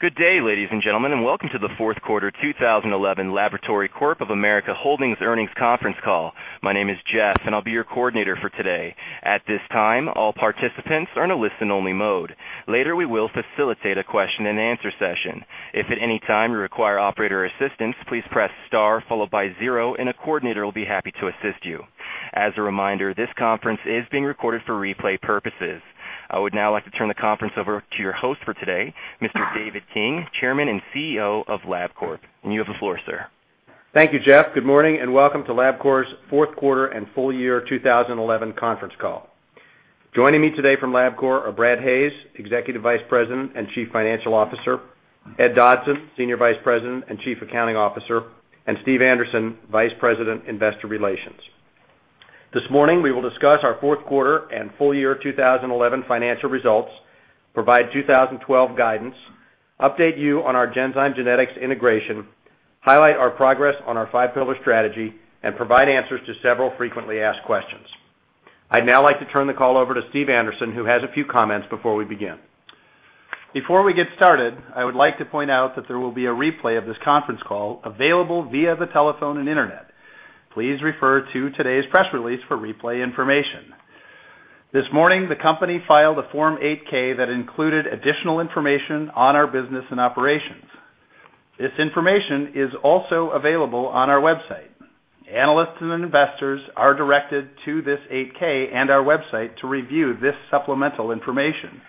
Good day, ladies and gentlemen, and welcome to the fourth quarter 2011 Labcorp Holdings' earnings conference call. My name is Jeff, and I'll be your coordinator for today. At this time, all participants are in a listen-only mode. Later, we will facilitate a question-and-answer session. If at any time you require operator assistance, please press star followed by zero, and a coordinator will be happy to assist you. As a reminder, this conference is being recorded for replay purposes. I would now like to turn the conference over to your host for today, Mr. David King, Chairman and CEO of Labcorp. You have the floor, sir. Thank you, Jeff. Good morning and welcome to Labcorp's fourth quarter and full year 2011 conference call. Joining me today from Labcorp are Brad Hayes, Executive Vice President and Chief Financial Officer, Ed Dodson, Senior Vice President and Chief Accounting Officer, and Steve Anderson, Vice President, Investor Relations. This morning, we will discuss our fourth quarter and full year 2011 financial results, provide 2012 guidance, update you on our Genzyme Genetics integration, highlight our progress on our five-pillar strategy, and provide answers to several frequently asked questions. I'd now like to turn the call over to Steve Anderson, who has a few comments before we begin. Before we get started, I would like to point out that there will be a replay of this conference call available via the telephone and internet. Please refer to today's press release for replay information. This morning, the company filed a Form 8K that included additional information on our business and operations. This information is also available on our website. Analysts and investors are directed to this 8K and our website to review this supplemental information.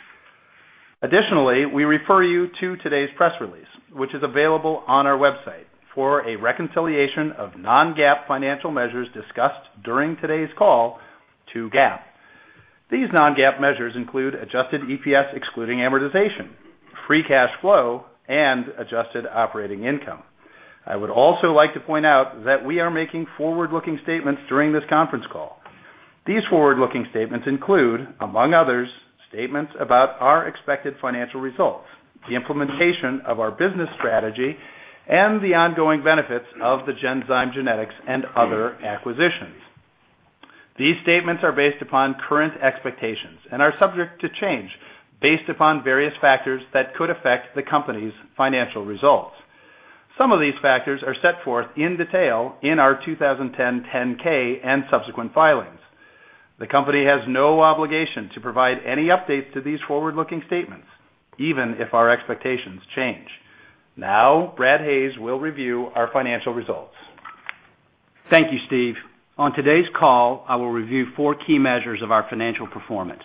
Additionally, we refer you to today's press release, which is available on our website for a reconciliation of non-GAAP financial measures discussed during today's call to GAAP. These non-GAAP measures include adjusted EPS excluding amortization, free cash flow, and adjusted operating income. I would also like to point out that we are making forward-looking statements during this conference call. These forward-looking statements include, among others, statements about our expected financial results, the implementation of our business strategy, and the ongoing benefits of the Genzyme Genetics and other acquisitions. These statements are based upon current expectations and are subject to change based upon various factors that could affect the company's financial results. Some of these factors are set forth in detail in our 2010 10-K and subsequent filings. The company has no obligation to provide any updates to these forward-looking statements, even if our expectations change. Now, Brad Hayes will review our financial results. Thank you, Steve. On today's call, I will review four key measures of our financial performance: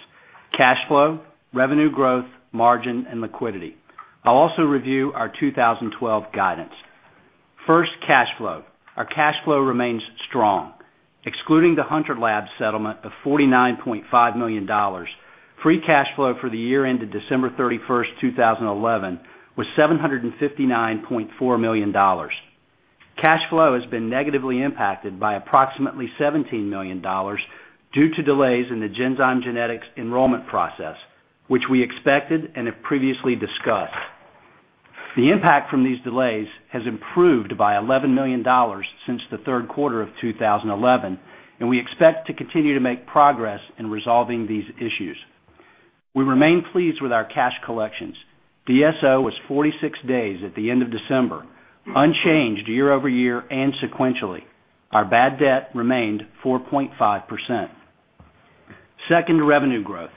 cash flow, revenue growth, margin, and liquidity. I'll also review our 2012 guidance. First, cash flow. Our cash flow remains strong, excluding the Hunter Labs settlement of $49.5 million. Free cash flow for the year ended December 31, 2011, was $759.4 million. Cash flow has been negatively impacted by approximately $17 million due to delays in the Genzyme Genetics enrollment process, which we expected and have previously discussed. The impact from these delays has improved by $11 million since the third quarter of 2011, and we expect to continue to make progress in resolving these issues. We remain pleased with our cash collections. BSO was 46 days at the end of December, unchanged year-over-year and sequentially. Our bad debt remained 4.5%. Second, revenue growth.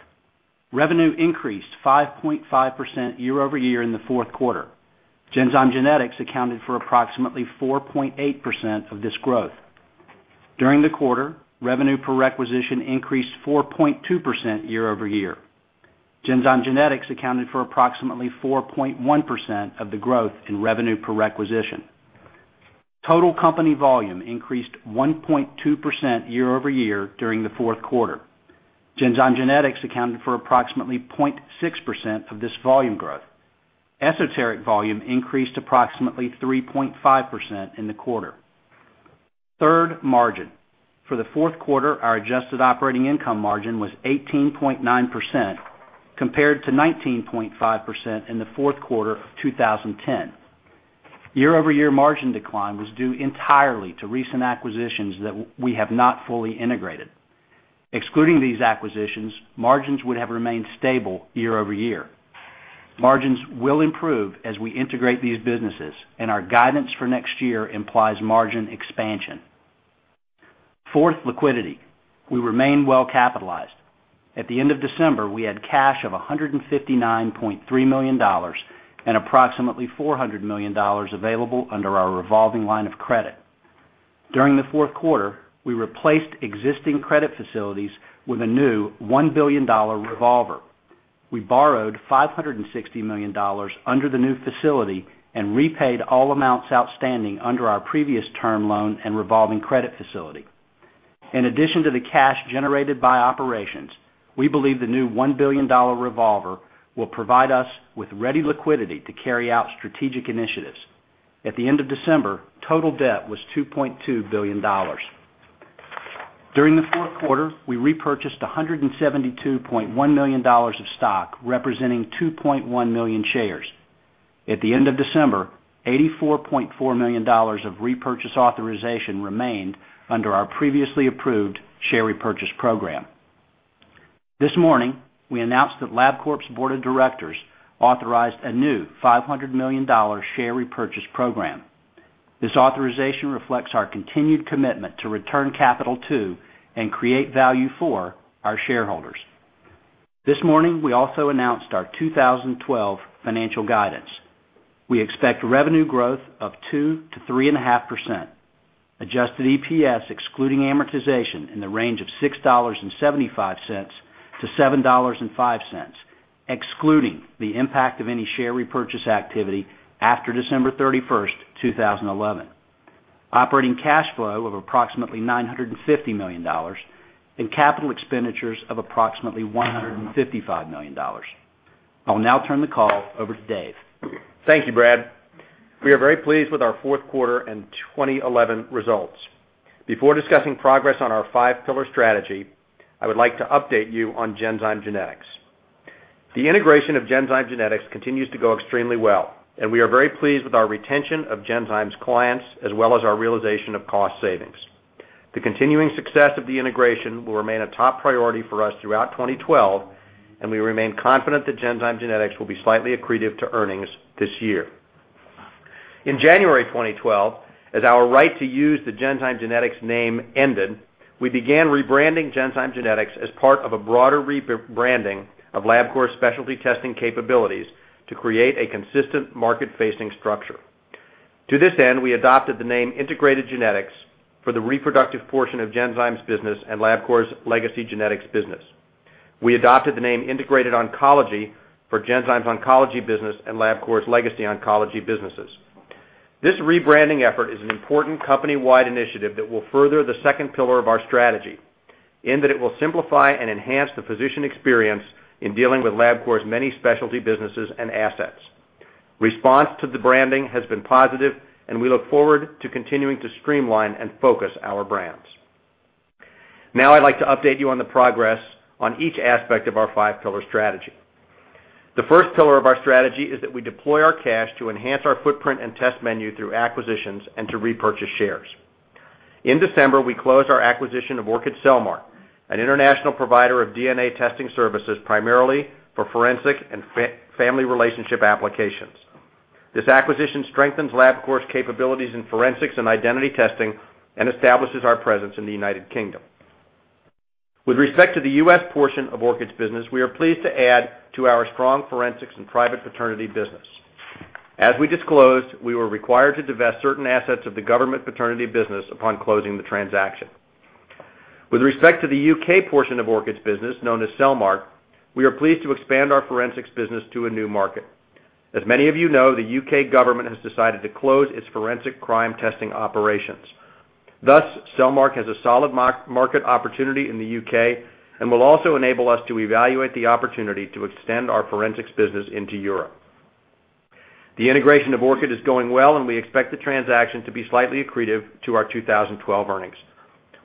Revenue increased 5.5% year-over-year in the fourth quarter. Genzyme Genetics accounted for approximately 4.8% of this growth. During the quarter, revenue per requisition increased 4.2% year-over-year. Genzyme Genetics accounted for approximately 4.1% of the growth in revenue per requisition. Total company volume increased 1.2% year-over-year during the fourth quarter. Genzyme Genetics accounted for approximately 0.6% of this volume growth. Esoteric volume increased approximately 3.5% in the quarter. Third, margin. For the fourth quarter, our adjusted operating income margin was 18.9% compared to 19.5% in the fourth quarter of 2010. Year-over-year margin decline was due entirely to recent acquisitions that we have not fully integrated. Excluding these acquisitions, margins would have remained stable year-over-year. Margins will improve as we integrate these businesses, and our guidance for next year implies margin expansion. Fourth, liquidity. We remain well capitalized. At the end of December, we had cash of $159.3 million and approximately $400 million available under our revolving line of credit. During the fourth quarter, we replaced existing credit facilities with a new $1 billion revolver. We borrowed $560 million under the new facility and repaid all amounts outstanding under our previous term loan and revolving credit facility. In addition to the cash generated by operations, we believe the new $1 billion revolver will provide us with ready liquidity to carry out strategic initiatives. At the end of December, total debt was $2.2 billion. During the fourth quarter, we repurchased $172.1 million of stock, representing 2.1 million shares. At the end of December, $84.4 million of repurchase authorization remained under our previously approved share repurchase program. This morning, we announced that Labcorp's board of directors authorized a new $500 million share repurchase program. This authorization reflects our continued commitment to return capital to and create value for our shareholders. This morning, we also announced our 2012 financial guidance. We expect revenue growth of 2-3.5%, adjusted EPS excluding amortization in the range of $6.75-$7.05, excluding the impact of any share repurchase activity after December 31, 2011, operating cash flow of approximately $950 million, and capital expenditures of approximately $155 million. I'll now turn the call over to Dave. Thank you, Brad. We are very pleased with our fourth quarter and 2011 results. Before discussing progress on our five-pillar strategy, I would like to update you on Genzyme Genetics. The integration of Genzyme Genetics continues to go extremely well, and we are very pleased with our retention of Genzyme's clients as well as our realization of cost savings. The continuing success of the integration will remain a top priority for us throughout 2012, and we remain confident that Genzyme Genetics will be slightly accretive to earnings this year. In January 2012, as our right to use the Genzyme Genetics name ended, we began rebranding Genzyme Genetics as part of a broader rebranding of Labcorp's specialty testing capabilities to create a consistent market-facing structure. To this end, we adopted the name Integrated Genetics for the reproductive portion of Genzyme's business and Labcorp's legacy genetics business. We adopted the name Integrated Oncology for Genzyme's oncology business and Labcorp's legacy oncology businesses. This rebranding effort is an important company-wide initiative that will further the second pillar of our strategy in that it will simplify and enhance the physician experience in dealing with Labcorp's many specialty businesses and assets. Response to the branding has been positive, and we look forward to continuing to streamline and focus our brands. Now, I'd like to update you on the progress on each aspect of our five-pillar strategy. The first pillar of our strategy is that we deploy our cash to enhance our footprint and test menu through acquisitions and to repurchase shares. In December, we closed our acquisition of Orchid Cellmark, an international provider of DNA testing services primarily for forensic and family relationship applications. This acquisition strengthens Labcorp's capabilities in forensics and identity testing and establishes our presence in the U.K. With respect to the U.S. portion of Orchid's business, we are pleased to add to our strong forensics and private paternity business. As we disclosed, we were required to divest certain assets of the government paternity business upon closing the transaction. With respect to the U.K. portion of Orchid's business, known as Cellmark, we are pleased to expand our forensics business to a new market. As many of you know, the U.K. government has decided to close its forensic crime testing operations. Thus, Cellmark has a solid market opportunity in the U.K. and will also enable us to evaluate the opportunity to extend our forensics business into Europe. The integration of Orchid is going well, and we expect the transaction to be slightly accretive to our 2012 earnings.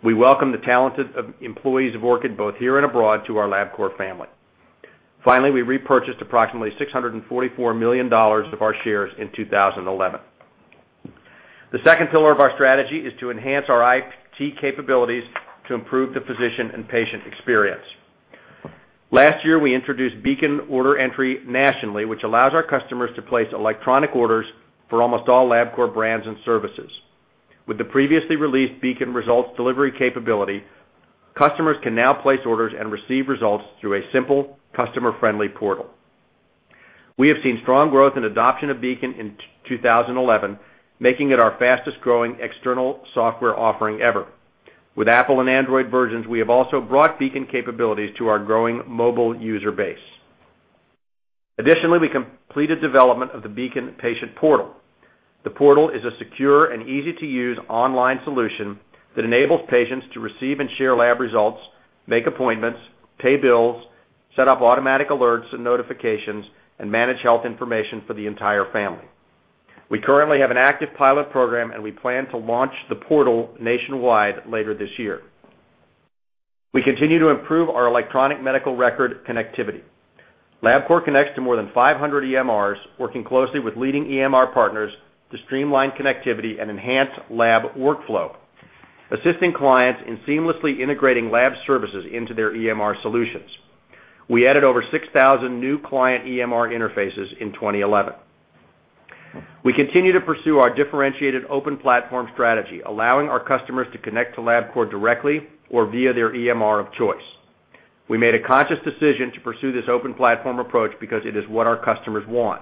We welcome the talented employees of Orchid, both here and abroad, to our Labcorp family. Finally, we repurchased approximately $644 million of our shares in 2011. The second pillar of our strategy is to enhance our IT capabilities to improve the physician and patient experience. Last year, we introduced Beacon order entry nationally, which allows our customers to place electronic orders for almost all Labcorp brands and services. With the previously released Beacon results delivery capability, customers can now place orders and receive results through a simple, customer-friendly portal. We have seen strong growth in adoption of Beacon in 2011, making it our fastest-growing external software offering ever. With Apple and Android versions, we have also brought Beacon capabilities to our growing mobile user base. Additionally, we completed development of the Beacon patient portal. The portal is a secure and easy-to-use online solution that enables patients to receive and share lab results, make appointments, pay bills, set up automatic alerts and notifications, and manage health information for the entire family. We currently have an active pilot program, and we plan to launch the portal nationwide later this year. We continue to improve our electronic medical record connectivity. Labcorp connects to more than 500 EMRs, working closely with leading EMR partners to streamline connectivity and enhance lab workflow, assisting clients in seamlessly integrating lab services into their EMR solutions. We added over 6,000 new client EMR interfaces in 2011. We continue to pursue our differentiated open platform strategy, allowing our customers to connect to Labcorp directly or via their EMR of choice. We made a conscious decision to pursue this open platform approach because it is what our customers want.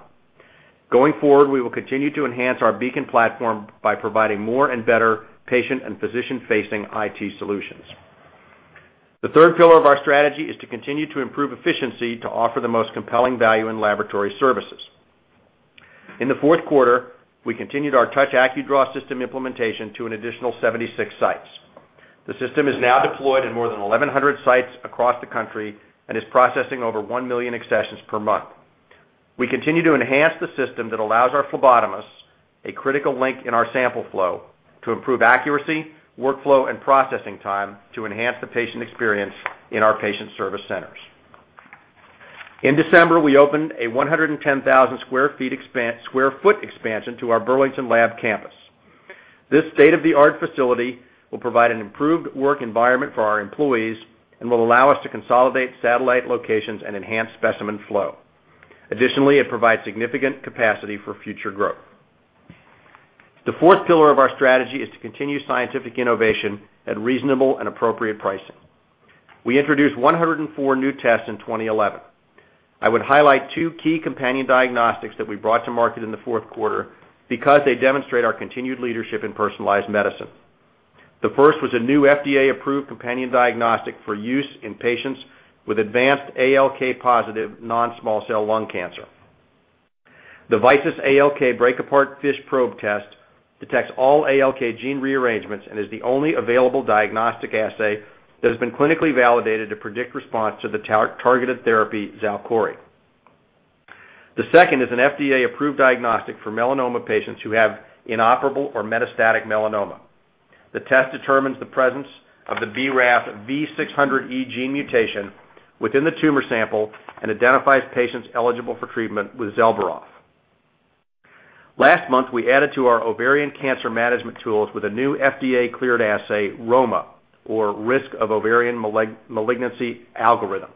Going forward, we will continue to enhance our Beacon Platform by providing more and better patient and physician-facing IT solutions. The third pillar of our strategy is to continue to improve efficiency to offer the most compelling value in laboratory services. In the fourth quarter, we continued our Touch AccuDraw system implementation to an additional 76 sites. The system is now deployed in more than 1,100 sites across the country and is processing over 1 million accessions per month. We continue to enhance the system that allows our phlebotomists, a critical link in our sample flow, to improve accuracy, workflow, and processing time to enhance the patient experience in our patient service centers. In December, we opened a 110,000 sq ft expansion to our Burlington Lab campus. This state-of-the-art facility will provide an improved work environment for our employees and will allow us to consolidate satellite locations and enhance specimen flow. Additionally, it provides significant capacity for future growth. The fourth pillar of our strategy is to continue scientific innovation at reasonable and appropriate pricing. We introduced 104 new tests in 2011. I would highlight two key companion diagnostics that we brought to market in the fourth quarter because they demonstrate our continued leadership in personalized medicine. The first was a new FDA-approved companion diagnostic for use in patients with advanced ALK-positive non-small cell lung cancer. The VYSIS ALK break-apart FISH probe test detects all ALK gene rearrangements and is the only available diagnostic assay that has been clinically validated to predict response to the targeted therapy Zelboraf. The second is an FDA-approved diagnostic for melanoma patients who have inoperable or metastatic melanoma. The test determines the presence of the BRAF V600E gene mutation within the tumor sample and identifies patients eligible for treatment with Zelboraf. Last month, we added to our ovarian cancer management tools with a new FDA-cleared assay, ROMA, or risk of ovarian malignancy algorithm.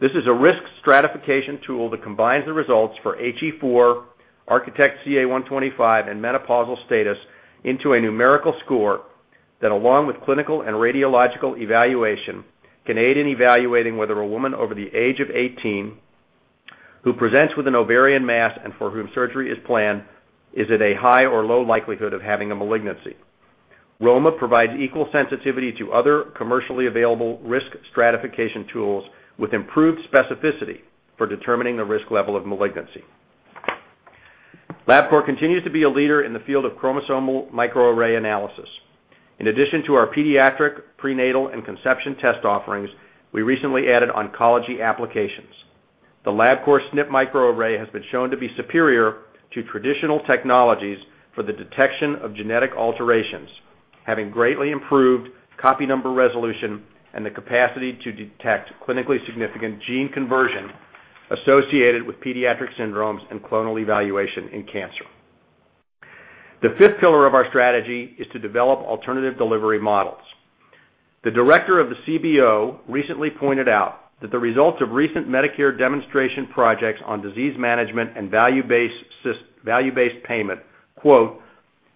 This is a risk stratification tool that combines the results for HE4, Architect CA125, and menopausal status into a numerical score that, along with clinical and radiological evaluation, can aid in evaluating whether a woman over the age of 18 who presents with an ovarian mass and for whom surgery is planned is at a high or low likelihood of having a malignancy. ROMA provides equal sensitivity to other commercially available risk stratification tools with improved specificity for determining the risk level of malignancy. Labcorp continues to be a leader in the field of chromosomal microarray analysis. In addition to our pediatric, prenatal, and conception test offerings, we recently added oncology applications. The Labcorp SNP microarray has been shown to be superior to traditional technologies for the detection of genetic alterations, having greatly improved copy number resolution and the capacity to detect clinically significant gene conversion associated with pediatric syndromes and clonal evaluation in cancer. The fifth pillar of our strategy is to develop alternative delivery models. The director of the CBO recently pointed out that the results of recent Medicare demonstration projects on disease management and value-based payment,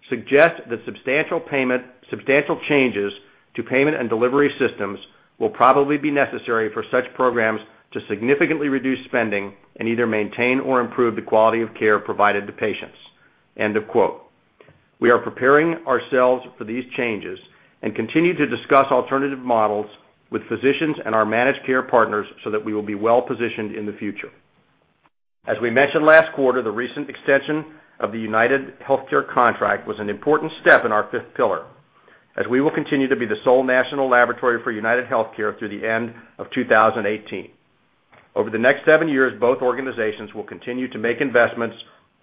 "suggest that substantial changes to payment and delivery systems will probably be necessary for such programs to significantly reduce spending and either maintain or improve the quality of care provided to patients." We are preparing ourselves for these changes and continue to discuss alternative models with physicians and our managed care partners so that we will be well positioned in the future. As we mentioned last quarter, the recent extension of the UnitedHealthcare contract was an important step in our fifth pillar, as we will continue to be the sole national laboratory for UnitedHealthcare through the end of 2018. Over the next seven years, both organizations will continue to make investments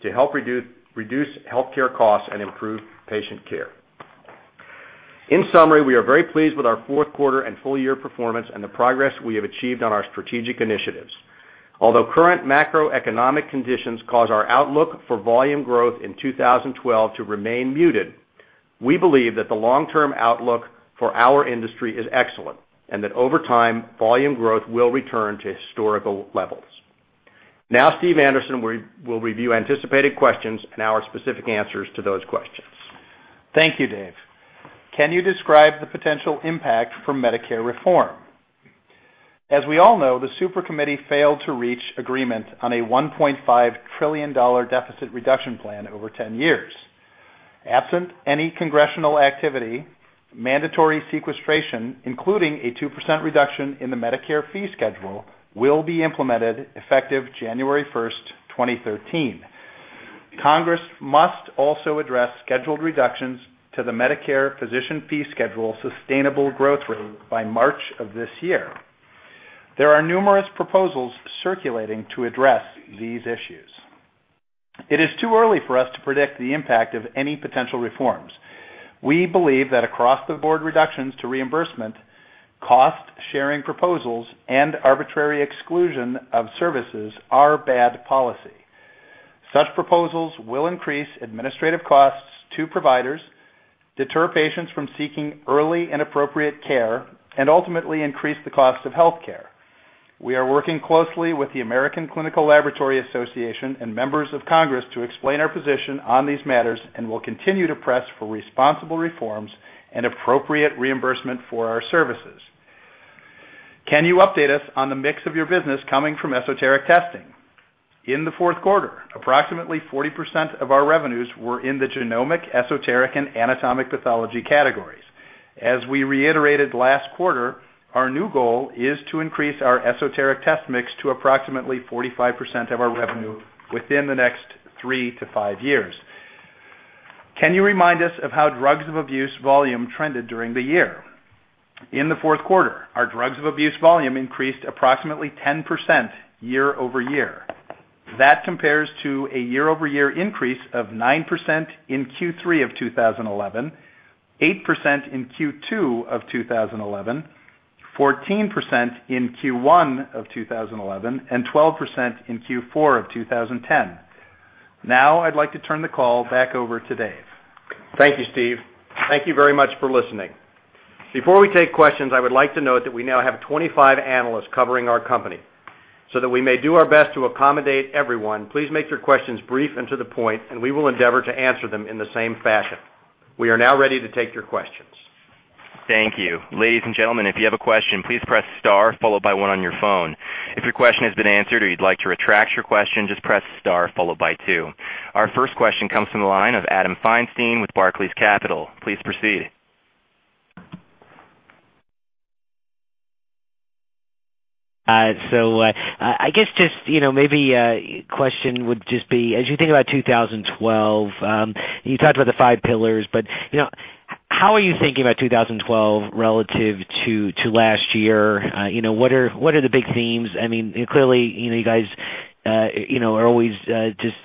to help reduce healthcare costs and improve patient care. In summary, we are very pleased with our fourth quarter and full-year performance and the progress we have achieved on our strategic initiatives. Although current macroeconomic conditions cause our outlook for volume growth in 2012 to remain muted, we believe that the long-term outlook for our industry is excellent and that over time, volume growth will return to historical levels. Now, Steve Anderson will review anticipated questions and our specific answers to those questions. Thank you, Dave. Can you describe the potential impact for Medicare reform? As we all know, the Supercommittee failed to reach agreement on a $1.5 trillion deficit reduction plan over 10 years. Absent any congressional activity, mandatory sequestration including a 2% reduction in the Medicare fee schedule will be implemented effective January 1, 2013. Congress must also address scheduled reductions to the Medicare physician fee schedule sustainable growth rate by March of this year. There are numerous proposals circulating to address these issues. It is too early for us to predict the impact of any potential reforms. We believe that across-the-board reductions to reimbursement, cost-sharing proposals, and arbitrary exclusion of services are bad policy. Such proposals will increase administrative costs to providers, deter patients from seeking early and appropriate care, and ultimately increase the cost of healthcare. We are working closely with the American Clinical Laboratory Association and members of Congress to explain our position on these matters and will continue to press for responsible reforms and appropriate reimbursement for our services. Can you update us on the mix of your business coming from esoteric testing? In the fourth quarter, approximately 40% of our revenues were in the genomic, esoteric, and anatomic pathology categories. As we reiterated last quarter, our new goal is to increase our esoteric test mix to approximately 45% of our revenue within the next three to five years. Can you remind us of how drugs of abuse volume trended during the year? In the fourth quarter, our drugs of abuse volume increased approximately 10% year-over-year. That compares to a year-over-year increase of 9% in Q3 of 2011, 8% in Q2 of 2011, 14% in Q1 of 2011, and 12% in Q4 of 2010. Now, I'd like to turn the call back over to Dave. Thank you, Steve. Thank you very much for listening. Before we take questions, I would like to note that we now have 25 analysts covering our company. So that we may do our best to accommodate everyone, please make your questions brief and to the point, and we will endeavor to answer them in the same fashion. We are now ready to take your questions. Thank you. Ladies and gentlemen, if you have a question, please press star followed by one on your phone. If your question has been answered or you'd like to retract your question, just press star followed by two. Our first question comes from the line of Adam Feinstein with Barclays Capital. Please proceed. I guess just maybe a question would just be, as you think about 2012, you talked about the five pillars, but how are you thinking about 2012 relative to last year? What are the big themes? I mean, clearly, you guys always just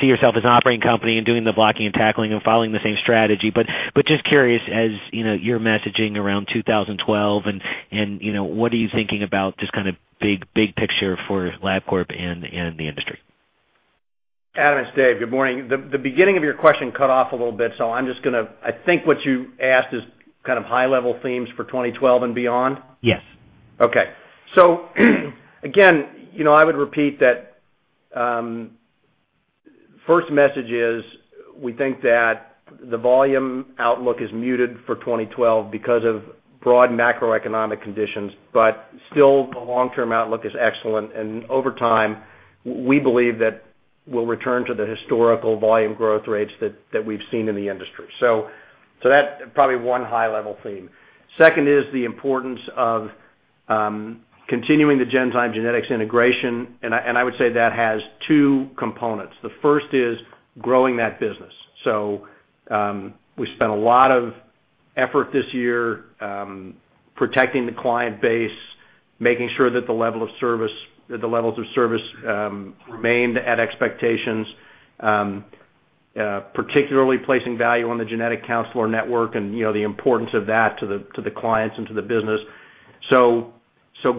see yourself as an operating company and doing the blocking and tackling and following the same strategy. I am just curious, as you're messaging around 2012, what are you thinking about just kind of big picture for Labcorp and the industry? Adam and Dave, good morning. The beginning of your question cut off a little bit, so I'm just going to—I think what you asked is kind of high-level themes for 2012 and beyond? Yes. Okay. Again, I would repeat that first message is we think that the volume outlook is muted for 2012 because of broad macroeconomic conditions, but still, the long-term outlook is excellent. Over time, we believe that we'll return to the historical volume growth rates that we've seen in the industry. That's probably one high-level theme. Second is the importance of continuing the Genzyme Genetics integration, and I would say that has two components. The first is growing that business. We spent a lot of effort this year protecting the client base, making sure that the level of service remained at expectations, particularly placing value on the genetic counselor network and the importance of that to the clients and to the business.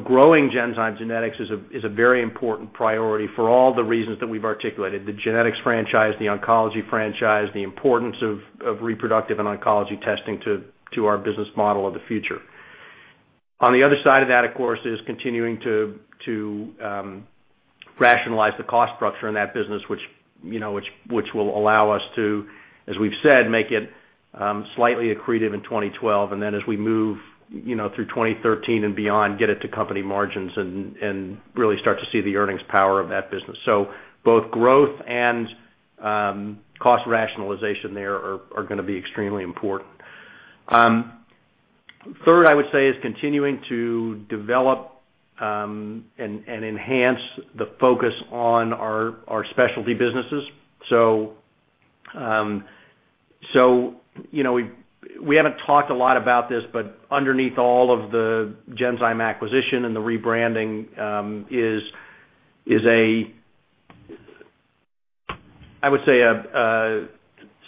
Growing Genzyme Genetics is a very important priority for all the reasons that we've articulated: the genetics franchise, the oncology franchise, the importance of reproductive and oncology testing to our business model of the future. On the other side of that, of course, is continuing to rationalize the cost structure in that business, which will allow us to, as we've said, make it slightly accretive in 2012, and then as we move through 2013 and beyond, get it to company margins and really start to see the earnings power of that business. Both growth and cost rationalization there are going to be extremely important. Third, I would say is continuing to develop and enhance the focus on our specialty businesses. We have not talked a lot about this, but underneath all of the Genzyme Genetics acquisition and the rebranding is, I would say,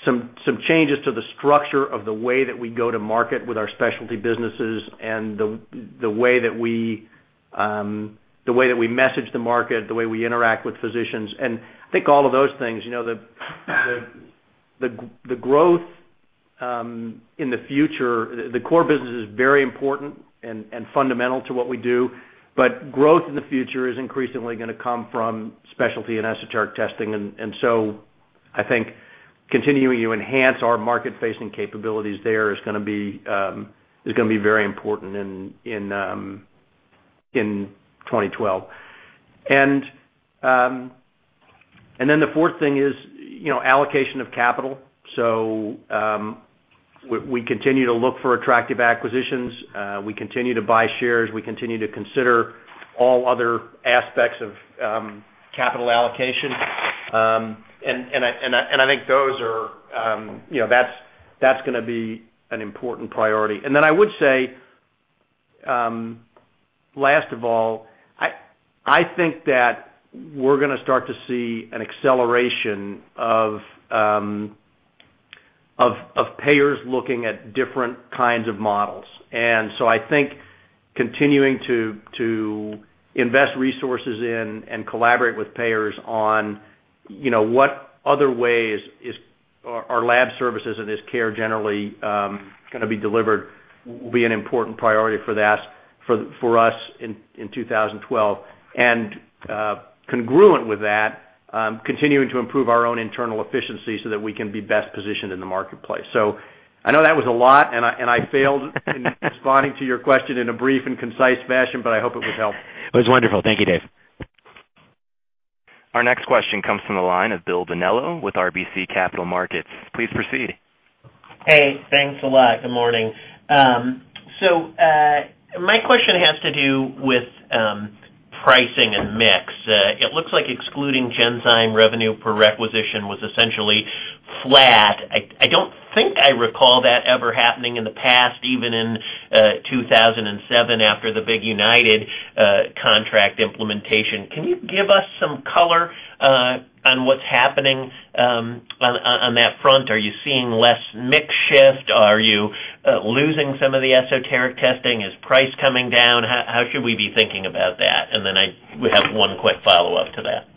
some changes to the structure of the way that we go to market with our specialty businesses and the way that we message the market, the way we interact with physicians. I think all of those things, the growth in the future, the core business is very important and fundamental to what we do, but growth in the future is increasingly going to come from specialty and esoteric testing. I think continuing to enhance our market-facing capabilities there is going to be very important in 2012. The fourth thing is allocation of capital. We continue to look for attractive acquisitions. We continue to buy shares. We continue to consider all other aspects of capital allocation. I think those are going to be an important priority. I would say, last of all, I think that we're going to start to see an acceleration of payers looking at different kinds of models. I think continuing to invest resources in and collaborate with payers on what other ways our lab services and this care generally is going to be delivered will be an important priority for us in 2012. Congruent with that, continuing to improve our own internal efficiency so that we can be best positioned in the marketplace. I know that was a lot, and I failed in responding to your question in a brief and concise fashion, but I hope it was helpful. It was wonderful. Thank you, Dave. Our next question comes from the line of Bill Vanillo with RBC Capital Markets. Please proceed. Hey. Thanks a lot. Good morning. My question has to do with pricing and mix. It looks like excluding Genzyme revenue per requisition was essentially flat. I do not think I recall that ever happening in the past, even in 2007 after the big UnitedHealthcare contract implementation. Can you give us some color on what is happening on that front? Are you seeing less mix shift? Are you losing some of the esoteric testing? Is price coming down? How should we be thinking about that? I would have one quick follow-up to that.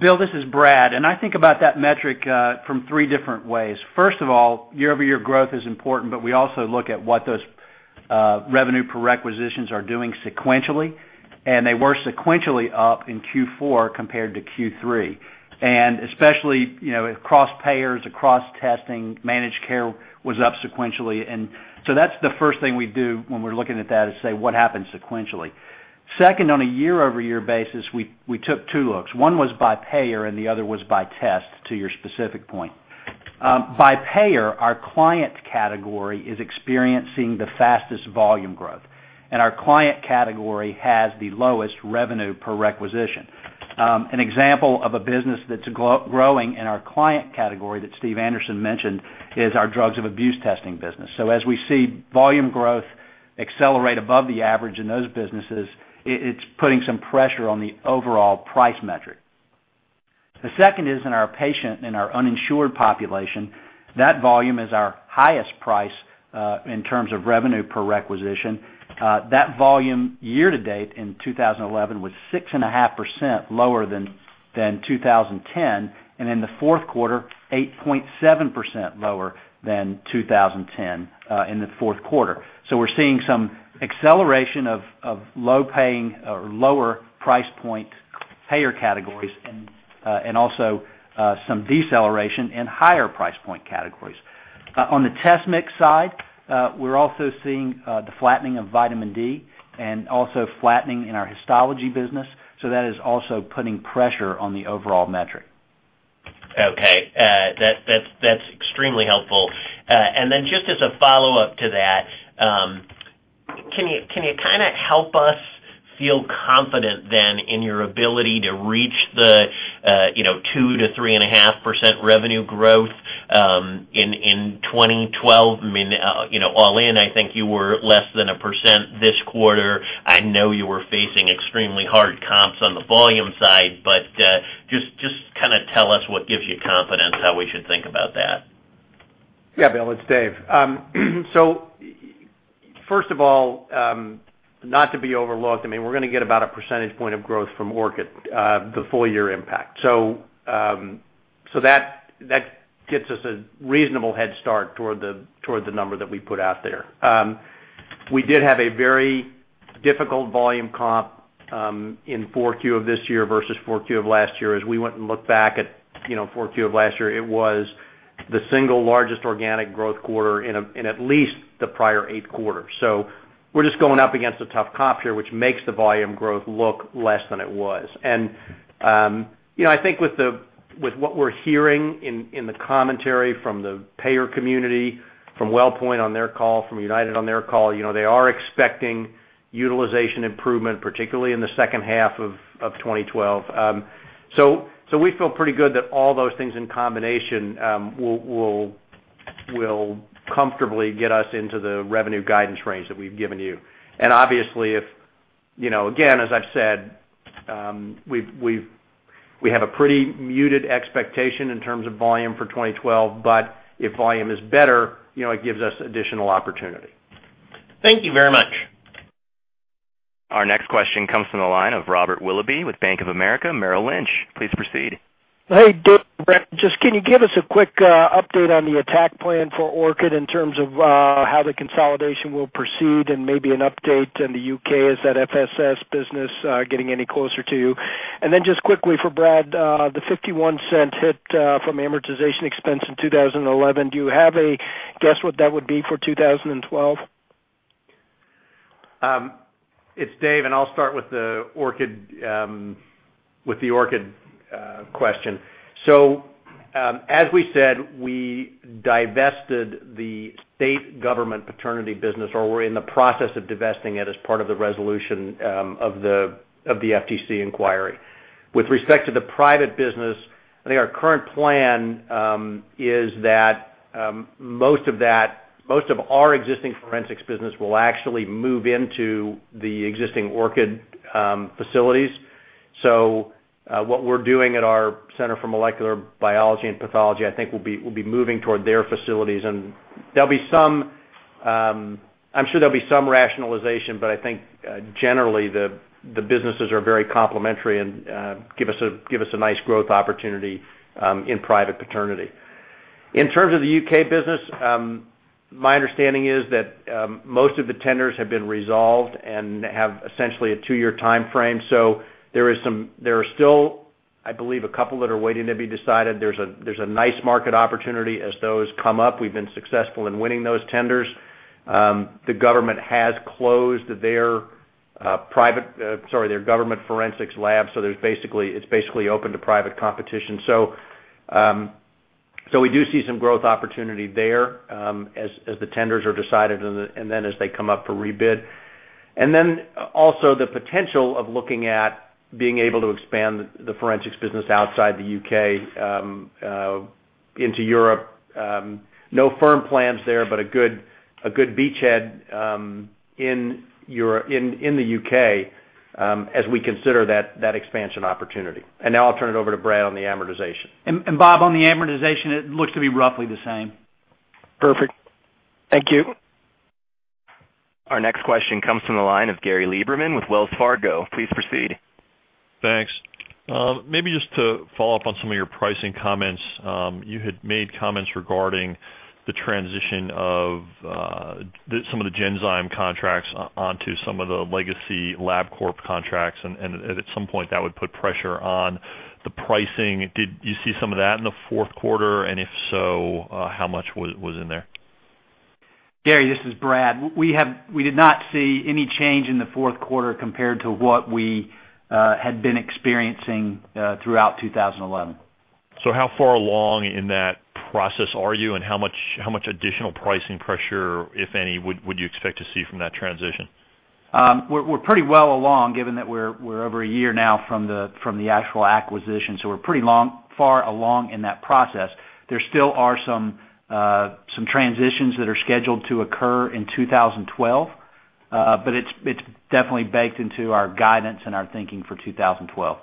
Bill, this is Brad. I think about that metric from three different ways. First of all, year-over-year growth is important, but we also look at what those revenue per requisitions are doing sequentially. They were sequentially up in Q4 compared to Q3. Especially across payers, across testing, managed care was up sequentially. That is the first thing we do when we're looking at that, is say, "What happened sequentially?" Second, on a year-over-year basis, we took two looks. One was by payer, and the other was by test, to your specific point. By payer, our client category is experiencing the fastest volume growth. Our client category has the lowest revenue per requisition. An example of a business that's growing in our client category that Steve Anderson mentioned is our drugs of abuse testing business. As we see volume growth accelerate above the average in those businesses, it's putting some pressure on the overall price metric. The second is in our patient and our uninsured population. That volume is our highest price in terms of revenue per requisition. That volume year-to-date in 2011 was 6.5% lower than 2010. In the fourth quarter, 8.7% lower than 2010 in the fourth quarter. We're seeing some acceleration of lower price point payer categories and also some deceleration in higher price point categories. On the test mix side, we're also seeing the flattening of vitamin D and also flattening in our histology business. That is also putting pressure on the overall metric. Okay. That's extremely helpful. Just as a follow-up to that, can you kind of help us feel confident then in your ability to reach the 2-3.5% revenue growth in 2012? I mean, all in, I think you were less than a percent this quarter. I know you were facing extremely hard comps on the volume side, but just kind of tell us what gives you confidence how we should think about that. Yeah, Bill. It's Dave. First of all, not to be overlooked, I mean, we're going to get about a percentage point of growth from Orchid, the full-year impact. That gets us a reasonable head start toward the number that we put out there. We did have a very difficult volume comp in Q4 of this year versus Q4 of last year. As we went and looked back at Q4 of last year, it was the single largest organic growth quarter in at least the prior eight quarters. We're just going up against a tough comp here, which makes the volume growth look less than it was. I think with what we're hearing in the commentary from the payer community, from WellPoint on their call, from United on their call, they are expecting utilization improvement, particularly in the second half of 2012. We feel pretty good that all those things in combination will comfortably get us into the revenue guidance range that we've given you. Obviously, again, as I've said, we have a pretty muted expectation in terms of volume for 2012, but if volume is better, it gives us additional opportunity. Thank you very much. Our next question comes from the line of Robert Willoughby with Bank of America Merrill Lynch. Please proceed. Hey, Dave. Just can you give us a quick update on the attack plan for Orchid in terms of how the consolidation will proceed and maybe an update in the U.K.? Is that FSS business getting any closer to you? And then just quickly for Brad, the $0.51 hit from amortization expense in 2011, do you have a guess what that would be for 2012? It's Dave, and I'll start with the Orchid question. As we said, we divested the state government paternity business, or we're in the process of divesting it as part of the resolution of the FTC inquiry. With respect to the private business, I think our current plan is that most of our existing forensics business will actually move into the existing Orchid facilities. What we're doing at our Center for Molecular Biology and Pathology, I think we'll be moving toward their facilities. There'll be some—I’m sure there'll be some rationalization, but I think generally the businesses are very complementary and give us a nice growth opportunity in private paternity. In terms of the U.K. business, my understanding is that most of the tenders have been resolved and have essentially a two-year time frame. There are still, I believe, a couple that are waiting to be decided. There's a nice market opportunity as those come up. We've been successful in winning those tenders. The government has closed their government forensics lab. It is basically open to private competition. We do see some growth opportunity there as the tenders are decided and as they come up for rebid. There is also the potential of looking at being able to expand the forensics business outside the U.K. into Europe. No firm plans there, but a good beachhead in the U.K. as we consider that expansion opportunity. I will turn it over to Brad on the amortization. Bob, on the amortization, it looks to be roughly the same. Perfect. Thank you. Our next question comes from the line of Gary Lieberman with Wells Fargo. Please proceed. Thanks. Maybe just to follow up on some of your pricing comments. You had made comments regarding the transition of some of the Genzyme contracts onto some of the legacy Labcorp contracts, and at some point that would put pressure on the pricing. Did you see some of that in the fourth quarter? If so, how much was in there? Gary, this is Brad. We did not see any change in the fourth quarter compared to what we had been experiencing throughout 2011. How far along in that process are you, and how much additional pricing pressure, if any, would you expect to see from that transition? We're pretty well along, given that we're over a year now from the actual acquisition. So we're pretty far along in that process. There still are some transitions that are scheduled to occur in 2012, but it's definitely baked into our guidance and our thinking for 2012.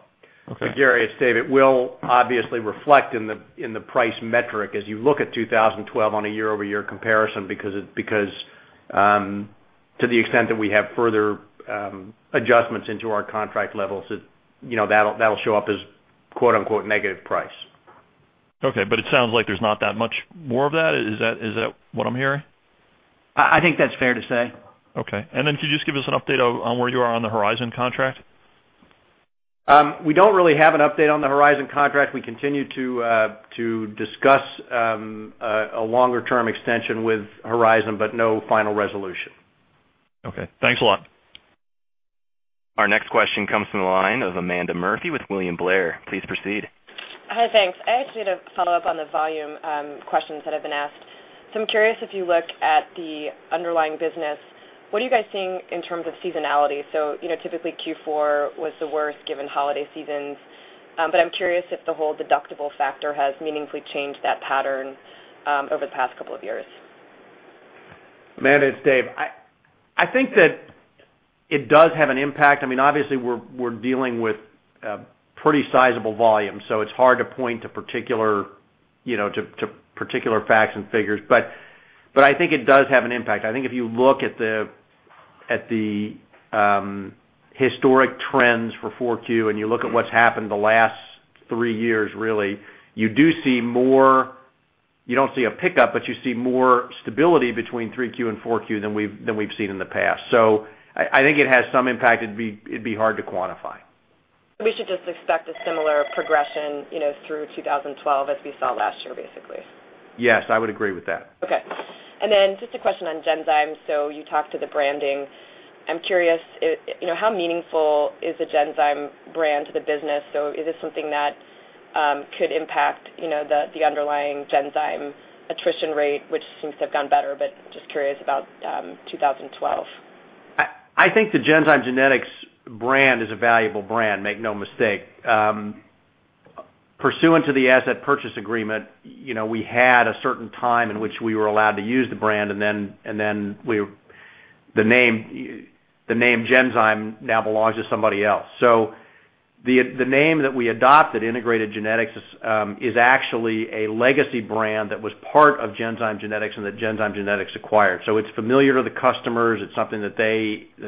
Okay. Gary, it's Dave, it will obviously reflect in the price metric as you look at 2012 on a year-over-year comparison because to the extent that we have further adjustments into our contract levels, that'll show up as "negative price. Okay. It sounds like there's not that much more of that. Is that what I'm hearing? I think that's fair to say. Okay. Could you just give us an update on where you are on the Horizon contract? We don't really have an update on the Horizon contract. We continue to discuss a longer-term extension with Horizon, but no final resolution. Okay. Thanks a lot. Our next question comes from the line of Amanda Murphy with William Blair. Please proceed. Hi, thanks. I actually had a follow-up on the volume questions that I've been asked. I'm curious if you look at the underlying business, what are you guys seeing in terms of seasonality? Typically Q4 was the worst given holiday seasons. I'm curious if the whole deductible factor has meaningfully changed that pattern over the past couple of years. Amanda, it's Dave. I think that it does have an impact. I mean, obviously, we're dealing with pretty sizable volume, so it's hard to point to particular facts and figures. I think it does have an impact. I think if you look at the historic trends for 4Q and you look at what's happened the last three years, really, you do see more—you don't see a pickup, but you see more stability between 3Q and 4Q than we've seen in the past. I think it has some impact. It'd be hard to quantify. We should just expect a similar progression through 2012 as we saw last year, basically. Yes, I would agree with that. Okay. And then just a question on Genzyme. You talked to the branding. I'm curious, how meaningful is a Genzyme brand to the business? Is this something that could impact the underlying Genzyme attrition rate, which seems to have gone better, but just curious about 2012? I think the Genzyme Genetics brand is a valuable brand, make no mistake. Pursuant to the asset purchase agreement, we had a certain time in which we were allowed to use the brand, and then the name Genzyme now belongs to somebody else. The name that we adopted, Integrated Genetics, is actually a legacy brand that was part of Genzyme Genetics and that Genzyme Genetics acquired. It is familiar to the customers. It is something that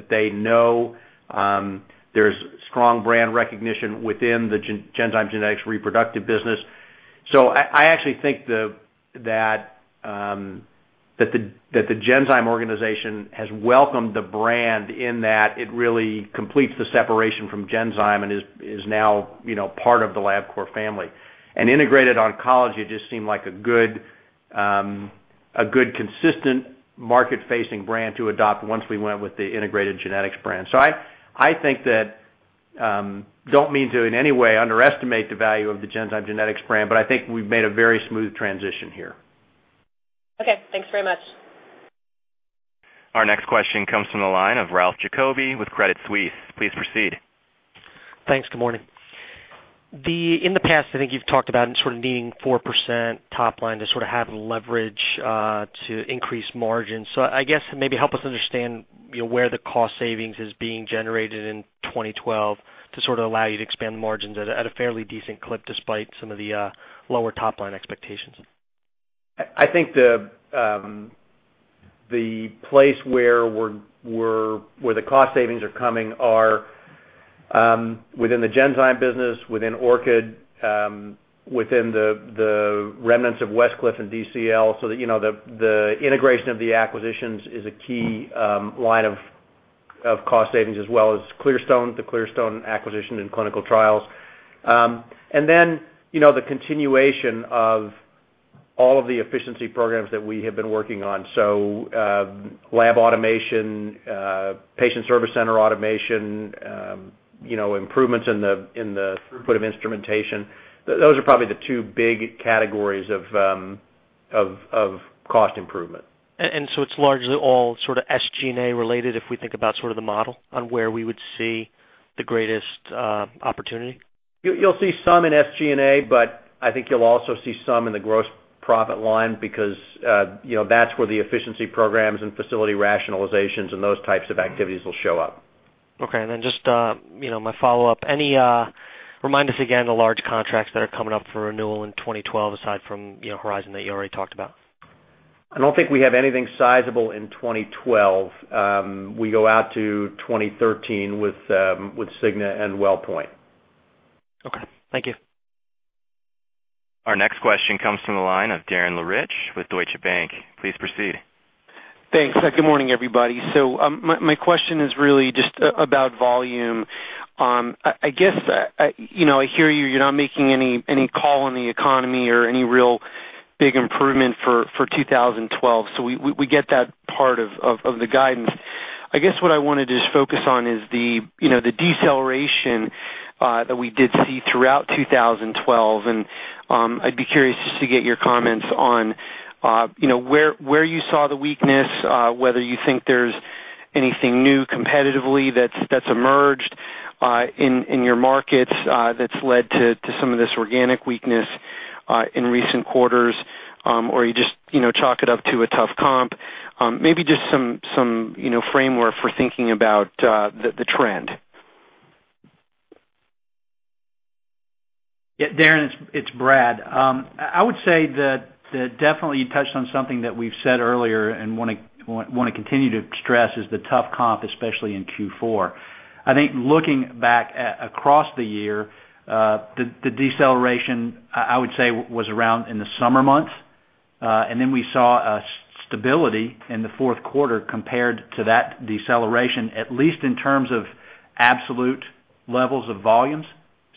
they know. There is strong brand recognition within the Genzyme Genetics reproductive business. I actually think that the Genzyme organization has welcomed the brand in that it really completes the separation from Genzyme and is now part of the Labcorp family. Integrated Oncology just seemed like a good, consistent market-facing brand to adopt once we went with the Integrated Genetics brand. I think that I don't mean to in any way underestimate the value of the Genzyme Genetics brand, but I think we've made a very smooth transition here. Okay. Thanks very much. Our next question comes from the line of Ralph Jacoby with Credit Suisse. Please proceed. Thanks. Good morning. In the past, I think you've talked about sort of needing 4% top line to sort of have leverage to increase margins. I guess maybe help us understand where the cost savings is being generated in 2012 to sort of allow you to expand the margins at a fairly decent clip despite some of the lower top line expectations. I think the place where the cost savings are coming are within the Genzyme business, within Orchid, within the remnants of Westcliff and DCL. The integration of the acquisitions is a key line of cost savings as well as Clearstone, the Clearstone acquisition and clinical trials. The continuation of all of the efficiency programs that we have been working on. Lab automation, patient service center automation, improvements in the throughput of instrumentation. Those are probably the two big categories of cost improvement. It’s largely all sort of SG&A related if we think about sort of the model on where we would see the greatest opportunity? You'll see some in SG&A, but I think you'll also see some in the gross profit line because that's where the efficiency programs and facility rationalizations and those types of activities will show up. Okay. And then just my follow-up. Remind us again the large contracts that are coming up for renewal in 2012 aside from Horizon that you already talked about. I don't think we have anything sizable in 2012. We go out to 2013 with Cigna and WellPoint. Okay. Thank you. Our next question comes from the line of Darren Lehrich with Deutsche Bank. Please proceed. Thanks. Good morning, everybody. My question is really just about volume. I guess I hear you're not making any call on the economy or any real big improvement for 2012. We get that part of the guidance. What I wanted to just focus on is the deceleration that we did see throughout 2012. I'd be curious just to get your comments on where you saw the weakness, whether you think there's anything new competitively that's emerged in your markets that's led to some of this organic weakness in recent quarters, or you just chalk it up to a tough comp. Maybe just some framework for thinking about the trend. Yeah. Darren, it's Brad. I would say that definitely you touched on something that we've said earlier and want to continue to stress is the tough comp, especially in Q4. I think looking back across the year, the deceleration I would say was around in the summer months, and then we saw stability in the fourth quarter compared to that deceleration, at least in terms of absolute levels of volumes,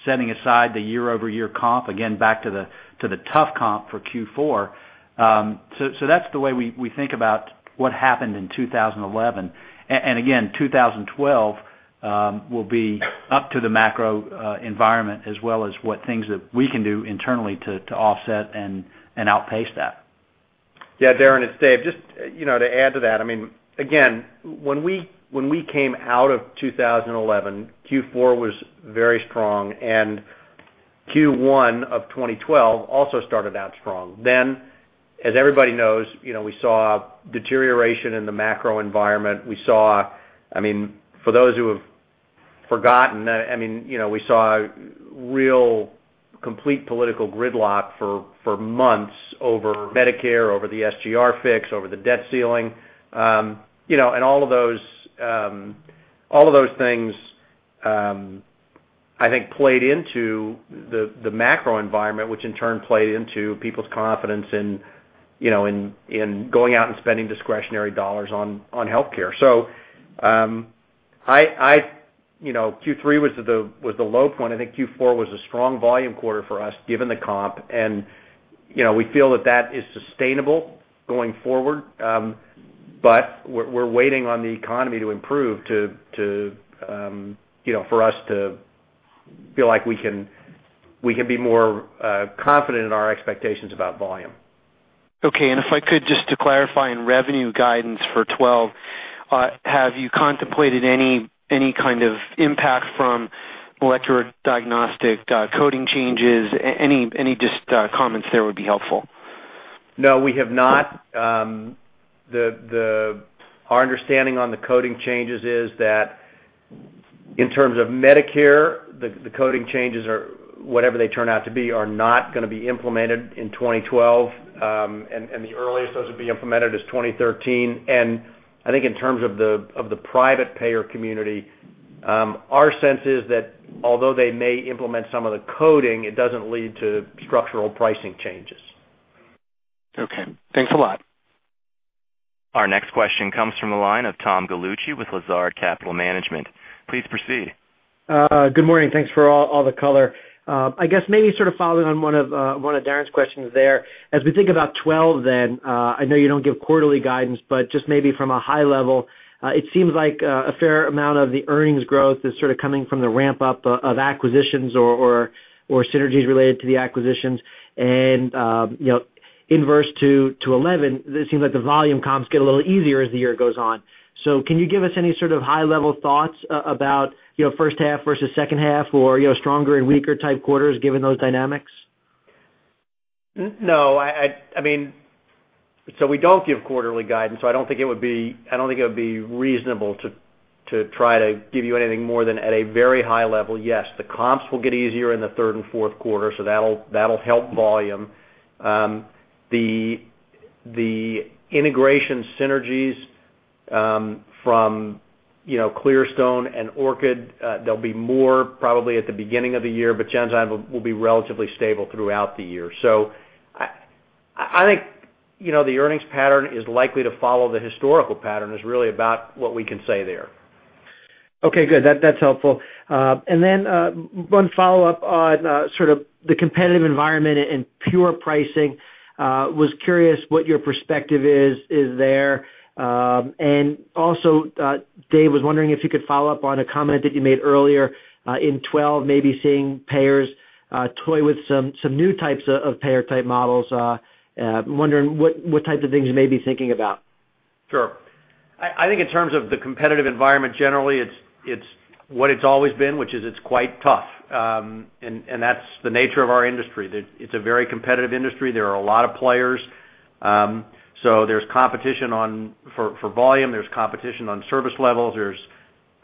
setting aside the year-over-year comp, again, back to the tough comp for Q4. That's the way we think about what happened in 2011. Again, 2012 will be up to the macro environment as well as what things that we can do internally to offset and outpace that. Yeah. Darren, it's Dave. Just to add to that, I mean, again, when we came out of 2011, Q4 was very strong, and Q1 of 2012 also started out strong. Then, as everybody knows, we saw deterioration in the macro environment. We saw, I mean, for those who have forgotten, I mean, we saw real complete political gridlock for months over Medicare, over the SGR fix, over the debt ceiling. All of those things, I think, played into the macro environment, which in turn played into people's confidence in going out and spending discretionary dollars on healthcare. Q3 was the low point. I think Q4 was a strong volume quarter for us given the comp. We feel that that is sustainable going forward, but we're waiting on the economy to improve for us to feel like we can be more confident in our expectations about volume. Okay. If I could, just to clarify in revenue guidance for 2012, have you contemplated any kind of impact from electrodiagnostic coding changes? Any comments there would be helpful. No, we have not. Our understanding on the coding changes is that in terms of Medicare, the coding changes, whatever they turn out to be, are not going to be implemented in 2012. The earliest those would be implemented is 2013. I think in terms of the private payer community, our sense is that although they may implement some of the coding, it does not lead to structural pricing changes. Okay. Thanks a lot. Our next question comes from the line of Tom Galucci with Lazard Capital Markets. Please proceed. Good morning. Thanks for all the color. I guess maybe sort of following on one of Darren's questions there, as we think about 2012, then I know you don't give quarterly guidance, but just maybe from a high level, it seems like a fair amount of the earnings growth is sort of coming from the ramp-up of acquisitions or synergies related to the acquisitions. Inverse to 2011, it seems like the volume comps get a little easier as the year goes on. Can you give us any sort of high-level thoughts about first half versus second half or stronger and weaker type quarters given those dynamics? No. I mean, so we don't give quarterly guidance, so I don't think it would be, I don't think it would be reasonable to try to give you anything more than at a very high level. Yes, the comps will get easier in the third and fourth quarter, so that'll help volume. The integration synergies from Clearstone and Orchid, they'll be more probably at the beginning of the year, but gen-time will be relatively stable throughout the year. I think the earnings pattern is likely to follow the historical pattern, is really about what we can say there. Okay. Good. That's helpful. Then one follow-up on sort of the competitive environment and pure pricing. I was curious what your perspective is there. Also, Dave, was wondering if you could follow up on a comment that you made earlier in 2012, maybe seeing payers toy with some new types of payer-type models. Wondering what types of things you may be thinking about. Sure. I think in terms of the competitive environment generally, it's what it's always been, which is it's quite tough. That's the nature of our industry. It's a very competitive industry. There are a lot of players. There's competition for volume. There's competition on service levels. There's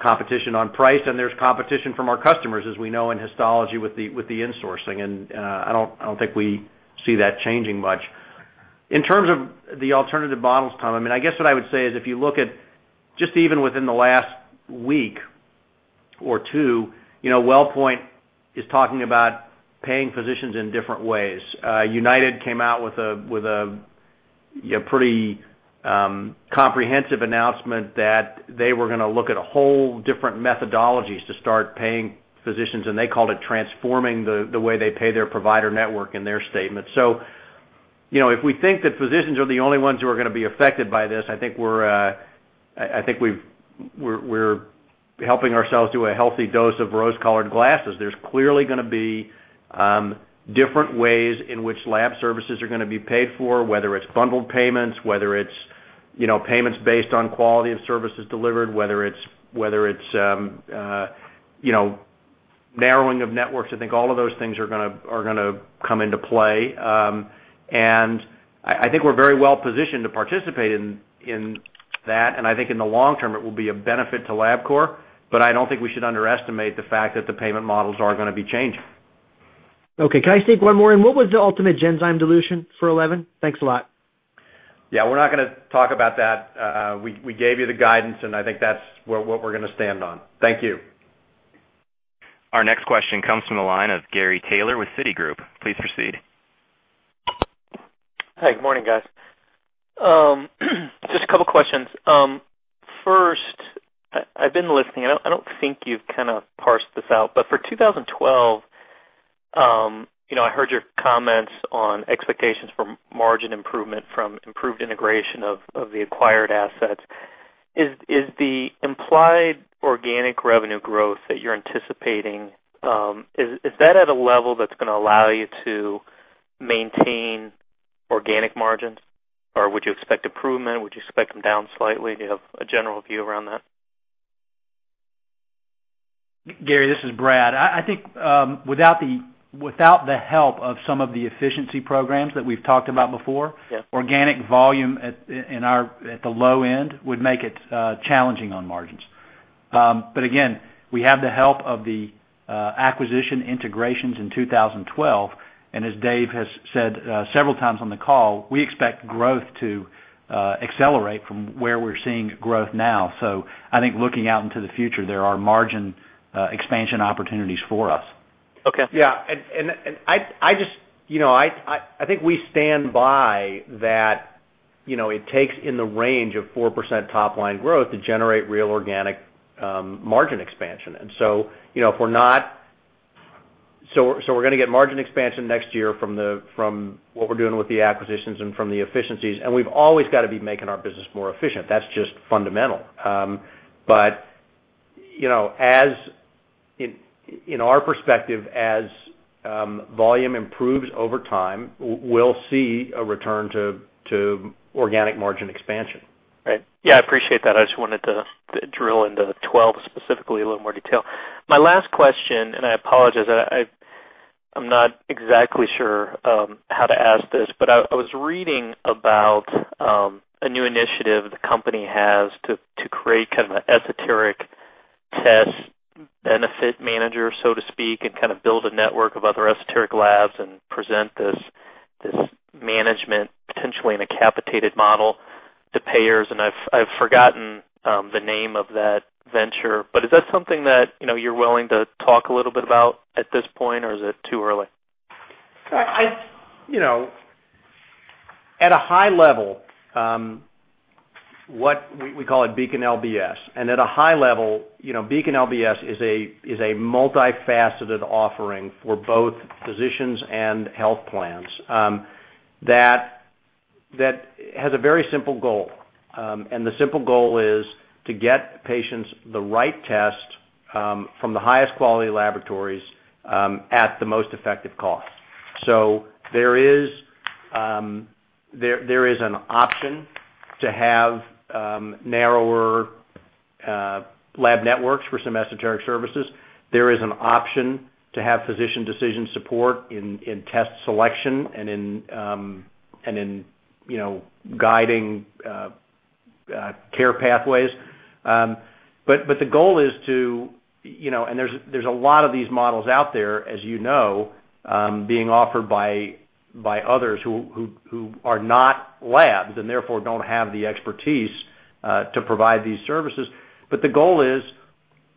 competition on price. There's competition from our customers, as we know, in histology with the insourcing. I don't think we see that changing much. In terms of the alternative models, Tom, I mean, I guess what I would say is if you look at just even within the last week or two, WellPoint is talking about paying physicians in different ways. United came out with a pretty comprehensive announcement that they were going to look at a whole different methodologies to start paying physicians, and they called it transforming the way they pay their provider network in their statement. If we think that physicians are the only ones who are going to be affected by this, I think we're helping ourselves do a healthy dose of rose-colored glasses. There's clearly going to be different ways in which lab services are going to be paid for, whether it's bundled payments, whether it's payments based on quality of services delivered, whether it's narrowing of networks. I think all of those things are going to come into play. I think we're very well positioned to participate in that. I think in the long term, it will be a benefit to Labcorp, but I don't think we should underestimate the fact that the payment models are going to be changing. Okay. Can I state one more? What was the ultimate Genzyme dilution for 2011? Thanks a lot. Yeah. We're not going to talk about that. We gave you the guidance, and I think that's what we're going to stand on. Thank you. Our next question comes from the line of Gary Taylor with Citigroup. Please proceed. Hey. Good morning, guys. Just a couple of questions. First, I've been listening. I don't think you've kind of parsed this out. For 2012, I heard your comments on expectations for margin improvement from improved integration of the acquired assets. Is the implied organic revenue growth that you're anticipating, is that at a level that's going to allow you to maintain organic margins? Or would you expect improvement? Would you expect them down slightly? Do you have a general view around that? Gary, this is Brad. I think without the help of some of the efficiency programs that we've talked about before, organic volume at the low end would make it challenging on margins. Again, we have the help of the acquisition integrations in 2012. As Dave has said several times on the call, we expect growth to accelerate from where we're seeing growth now. I think looking out into the future, there are margin expansion opportunities for us. Okay. Yeah. I just I think we stand by that it takes in the range of 4% top line growth to generate real organic margin expansion. If we're not, we're going to get margin expansion next year from what we're doing with the acquisitions and from the efficiencies. We've always got to be making our business more efficient. That's just fundamental. In our perspective, as volume improves over time, we'll see a return to organic margin expansion. Right. Yeah. I appreciate that. I just wanted to drill into '12 specifically a little more detail. My last question, and I apologize. I'm not exactly sure how to ask this, but I was reading about a new initiative the company has to create kind of an esoteric test benefit manager, so to speak, and kind of build a network of other esoteric labs and present this management potentially in a capitated model to payers. And I've forgotten the name of that venture. But is that something that you're willing to talk a little bit about at this point, or is it too early? At a high level, we call it Beacon LBS. At a high level, Beacon LBS is a multifaceted offering for both physicians and health plans that has a very simple goal. The simple goal is to get patients the right test from the highest quality laboratories at the most effective cost. There is an option to have narrower lab networks for some esoteric services. There is an option to have physician decision support in test selection and in guiding care pathways. The goal is to, and there are a lot of these models out there, as you know, being offered by others who are not labs and therefore do not have the expertise to provide these services. The goal is,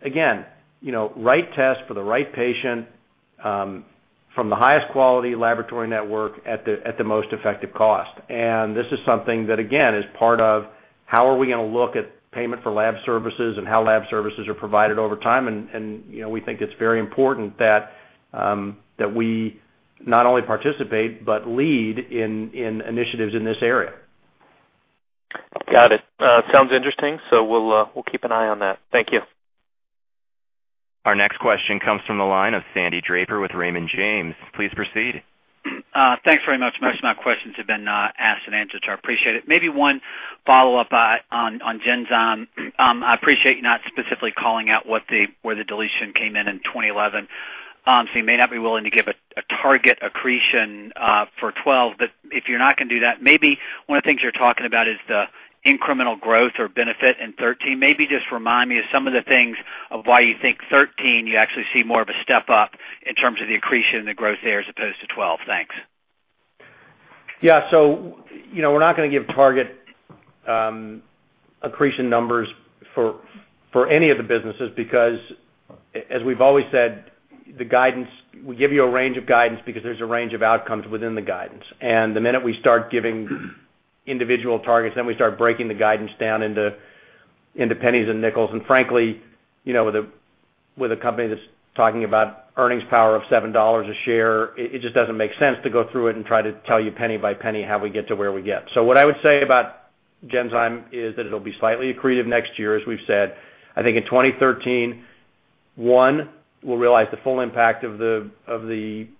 again, right test for the right patient from the highest quality laboratory network at the most effective cost. This is something that, again, is part of how we are going to look at payment for lab services and how lab services are provided over time. We think it is very important that we not only participate but lead in initiatives in this area. Got it. Sounds interesting. We'll keep an eye on that. Thank you. Our next question comes from the line of Sandy Draper with Raymond James. Please proceed. Thanks very much. Most of my questions have been asked and answered. I appreciate it. Maybe one follow-up on Genzyme. I appreciate you not specifically calling out where the dilution came in in 2011. You may not be willing to give a target accretion for 2012, but if you're not going to do that, maybe one of the things you're talking about is the incremental growth or benefit in 2013. Maybe just remind me of some of the things of why you think 2013 you actually see more of a step up in terms of the accretion and the growth there as opposed to 2012. Thanks. Yeah. So we're not going to give target accretion numbers for any of the businesses because, as we've always said, we give you a range of guidance because there's a range of outcomes within the guidance. The minute we start giving individual targets, then we start breaking the guidance down into pennies and nickels. Frankly, with a company that's talking about earnings power of $7 a share, it just doesn't make sense to go through it and try to tell you penny by penny how we get to where we get. What I would say about Genzyme is that it'll be slightly accretive next year, as we've said. I think in 2013, one, we'll realize the full impact of the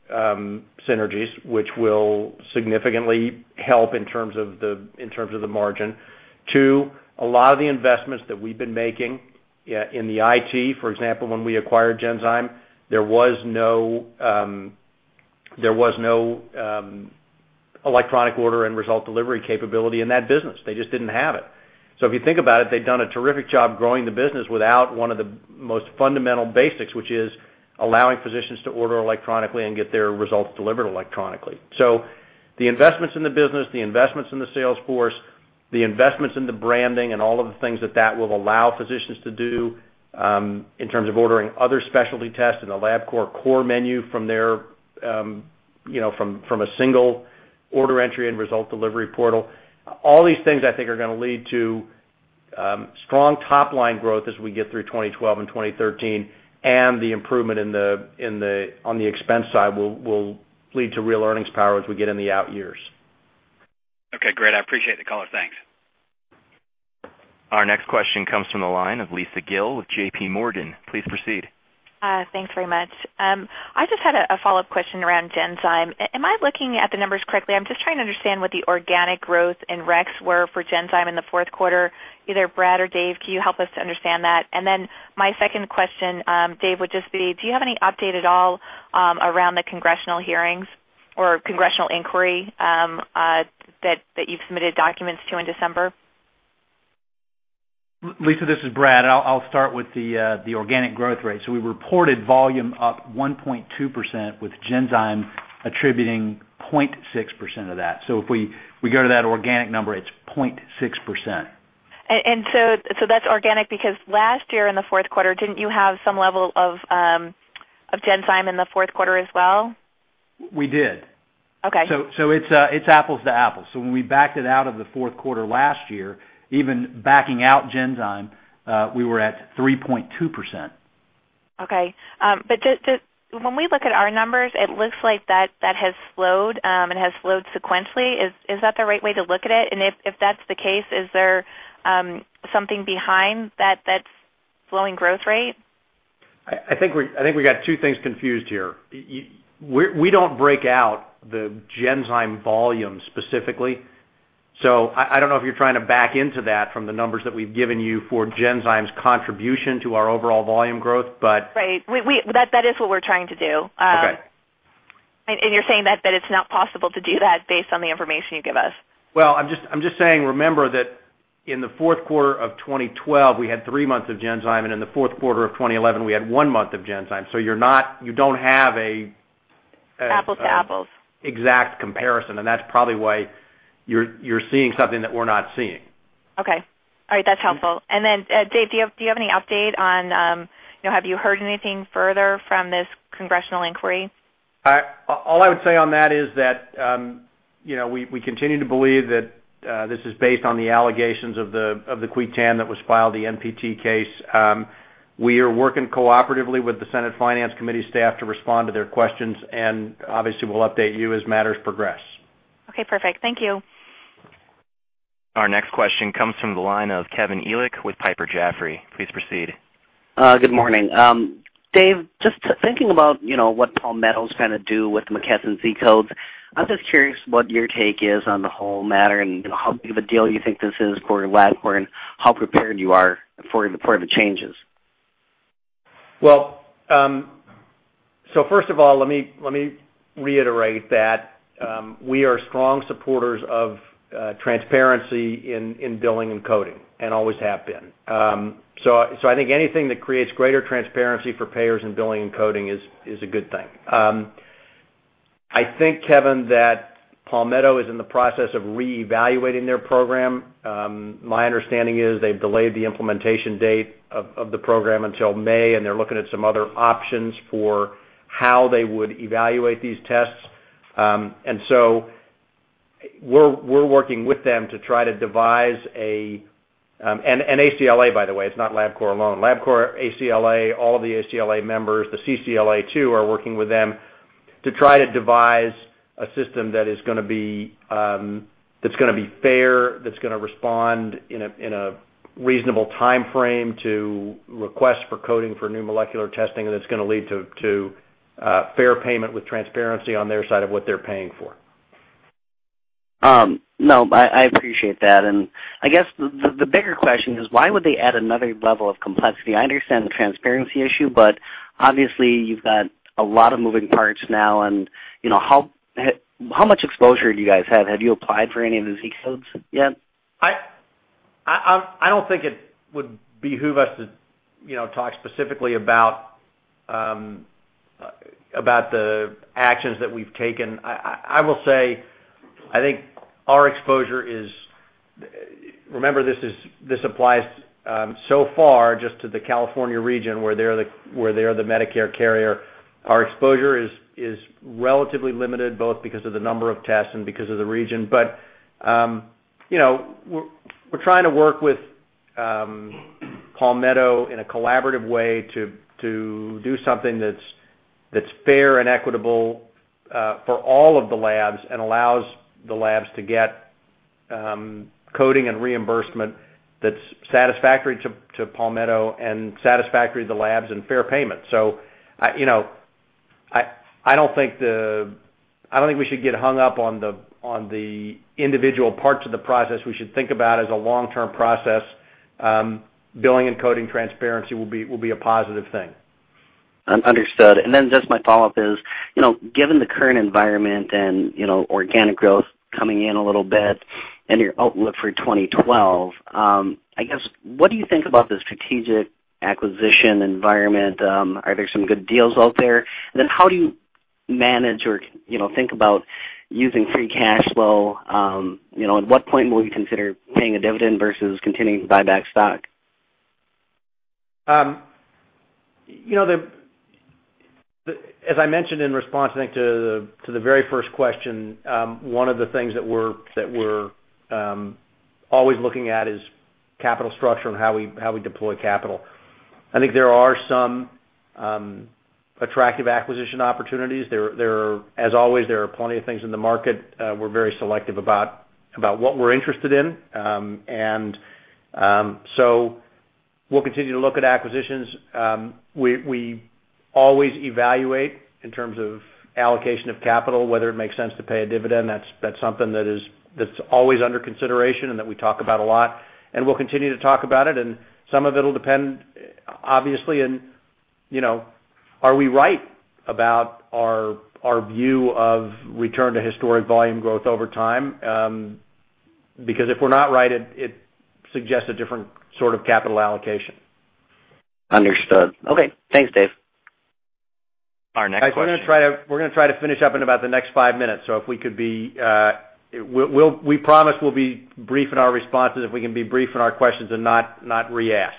synergies, which will significantly help in terms of the margin. Two, a lot of the investments that we've been making in the IT, for example, when we acquired Genzyme, there was no electronic order and result delivery capability in that business. They just didn't have it. If you think about it, they've done a terrific job growing the business without one of the most fundamental basics, which is allowing physicians to order electronically and get their results delivered electronically. The investments in the business, the investments in the sales force, the investments in the branding, and all of the things that that will allow physicians to do in terms of ordering other specialty tests in the Labcorp core menu from a single order entry and result delivery portal, all these things I think are going to lead to strong top line growth as we get through 2012 and 2013. The improvement on the expense side will lead to real earnings power as we get in the out years. Okay. Great. I appreciate the call. Thanks. Our next question comes from the line of Lisa Gill with JPMorgan. Please proceed. Thanks very much. I just had a follow-up question around gen-time. Am I looking at the numbers correctly? I'm just trying to understand what the organic growth in recs were for gen-time in the fourth quarter. Either Brad or Dave, can you help us to understand that? My second question, Dave, would just be, do you have any update at all around the congressional hearings or congressional inquiry that you've submitted documents to in December? Lisa, this is Brad. I'll start with the organic growth rate. We reported volume up 1.2% with Genzyme attributing 0.6% of that. If we go to that organic number, it's 0.6%. That's organic because last year in the fourth quarter, didn't you have some level of Genzyme in the fourth quarter as well? We did. Okay. It is apples to apples. When we backed it out of the fourth quarter last year, even backing out Genzyme, we were at 3.2%. Okay. When we look at our numbers, it looks like that has slowed and has slowed sequentially. Is that the right way to look at it? If that's the case, is there something behind that slowing growth rate? I think we got two things confused here. We do not break out the gen-time volume specifically. I do not know if you are trying to back into that from the numbers that we have given you for gen-time's contribution to our overall volume growth, but. Right. That is what we're trying to do. You're saying that it's not possible to do that based on the information you give us. I'm just saying, remember that in the fourth quarter of 2012, we had three months of Genzyme. And in the fourth quarter of 2011, we had one month of Genzyme. So you don't have a. Apples to apples. Exact comparison. That is probably why you are seeing something that we are not seeing. Okay. All right. That's helpful. Dave, do you have any update on have you heard anything further from this congressional inquiry? All I would say on that is that we continue to believe that this is based on the allegations of the qui tam that was filed, the NPT case. We are working cooperatively with the Senate Finance Committee staff to respond to their questions. Obviously, we'll update you as matters progress. Okay. Perfect. Thank you. Our next question comes from the line of Kevin Ellich with Piper Jaffray. Please proceed. Good morning. Dave, just thinking about what Paul Meadows is trying to do with McKesson's Z codes, I'm just curious what your take is on the whole matter and how big of a deal you think this is for Labcorp and how prepared you are for the part of the changes. First of all, let me reiterate that we are strong supporters of transparency in billing and coding and always have been. I think anything that creates greater transparency for payers in billing and coding is a good thing. I think, Kevin, that Paul Meadows is in the process of reevaluating their program. My understanding is they've delayed the implementation date of the program until May, and they're looking at some other options for how they would evaluate these tests. We're working with them to try to devise an ACLA, by the way. It's not Labcorp alone. Labcorp, ACLA, all of the ACLA members, the CCLA too, are working with them to try to devise a system that is going to be, that's going to be fair, that's going to respond in a reasonable timeframe to requests for coding for new molecular testing, and it's going to lead to fair payment with transparency on their side of what they're paying for. No. I appreciate that. I guess the bigger question is, why would they add another level of complexity? I understand the transparency issue, but obviously, you've got a lot of moving parts now. How much exposure do you guys have? Have you applied for any of the Z codes yet? I don't think it would behoove us to talk specifically about the actions that we've taken. I will say, I think our exposure is, remember, this applies so far just to the California region where they're the Medicare carrier. Our exposure is relatively limited both because of the number of tests and because of the region. We're trying to work with Paul Meadows in a collaborative way to do something that's fair and equitable for all of the labs and allows the labs to get coding and reimbursement that's satisfactory to Paul Meadows and satisfactory to the labs and fair payment. I don't think we should get hung up on the individual parts of the process. We should think about it as a long-term process. Billing and coding transparency will be a positive thing. Understood. And then just my follow-up is, given the current environment and organic growth coming in a little bit and your outlook for 2012, I guess, what do you think about the strategic acquisition environment? Are there some good deals out there? And then how do you manage or think about using free cash flow? At what point will you consider paying a dividend versus continuing to buy back stock? As I mentioned in response, I think to the very first question, one of the things that we're always looking at is capital structure and how we deploy capital. I think there are some attractive acquisition opportunities. As always, there are plenty of things in the market. We're very selective about what we're interested in. We will continue to look at acquisitions. We always evaluate in terms of allocation of capital, whether it makes sense to pay a dividend. That's something that's always under consideration and that we talk about a lot. We will continue to talk about it. Some of it will depend, obviously, on are we right about our view of return to historic volume growth over time? Because if we're not right, it suggests a different sort of capital allocation. Understood. Okay. Thanks, Dave. Our next question. We're going to try to finish up in about the next five minutes. If we could be, we promise we'll be brief in our responses if we can be brief in our questions and not re-ask.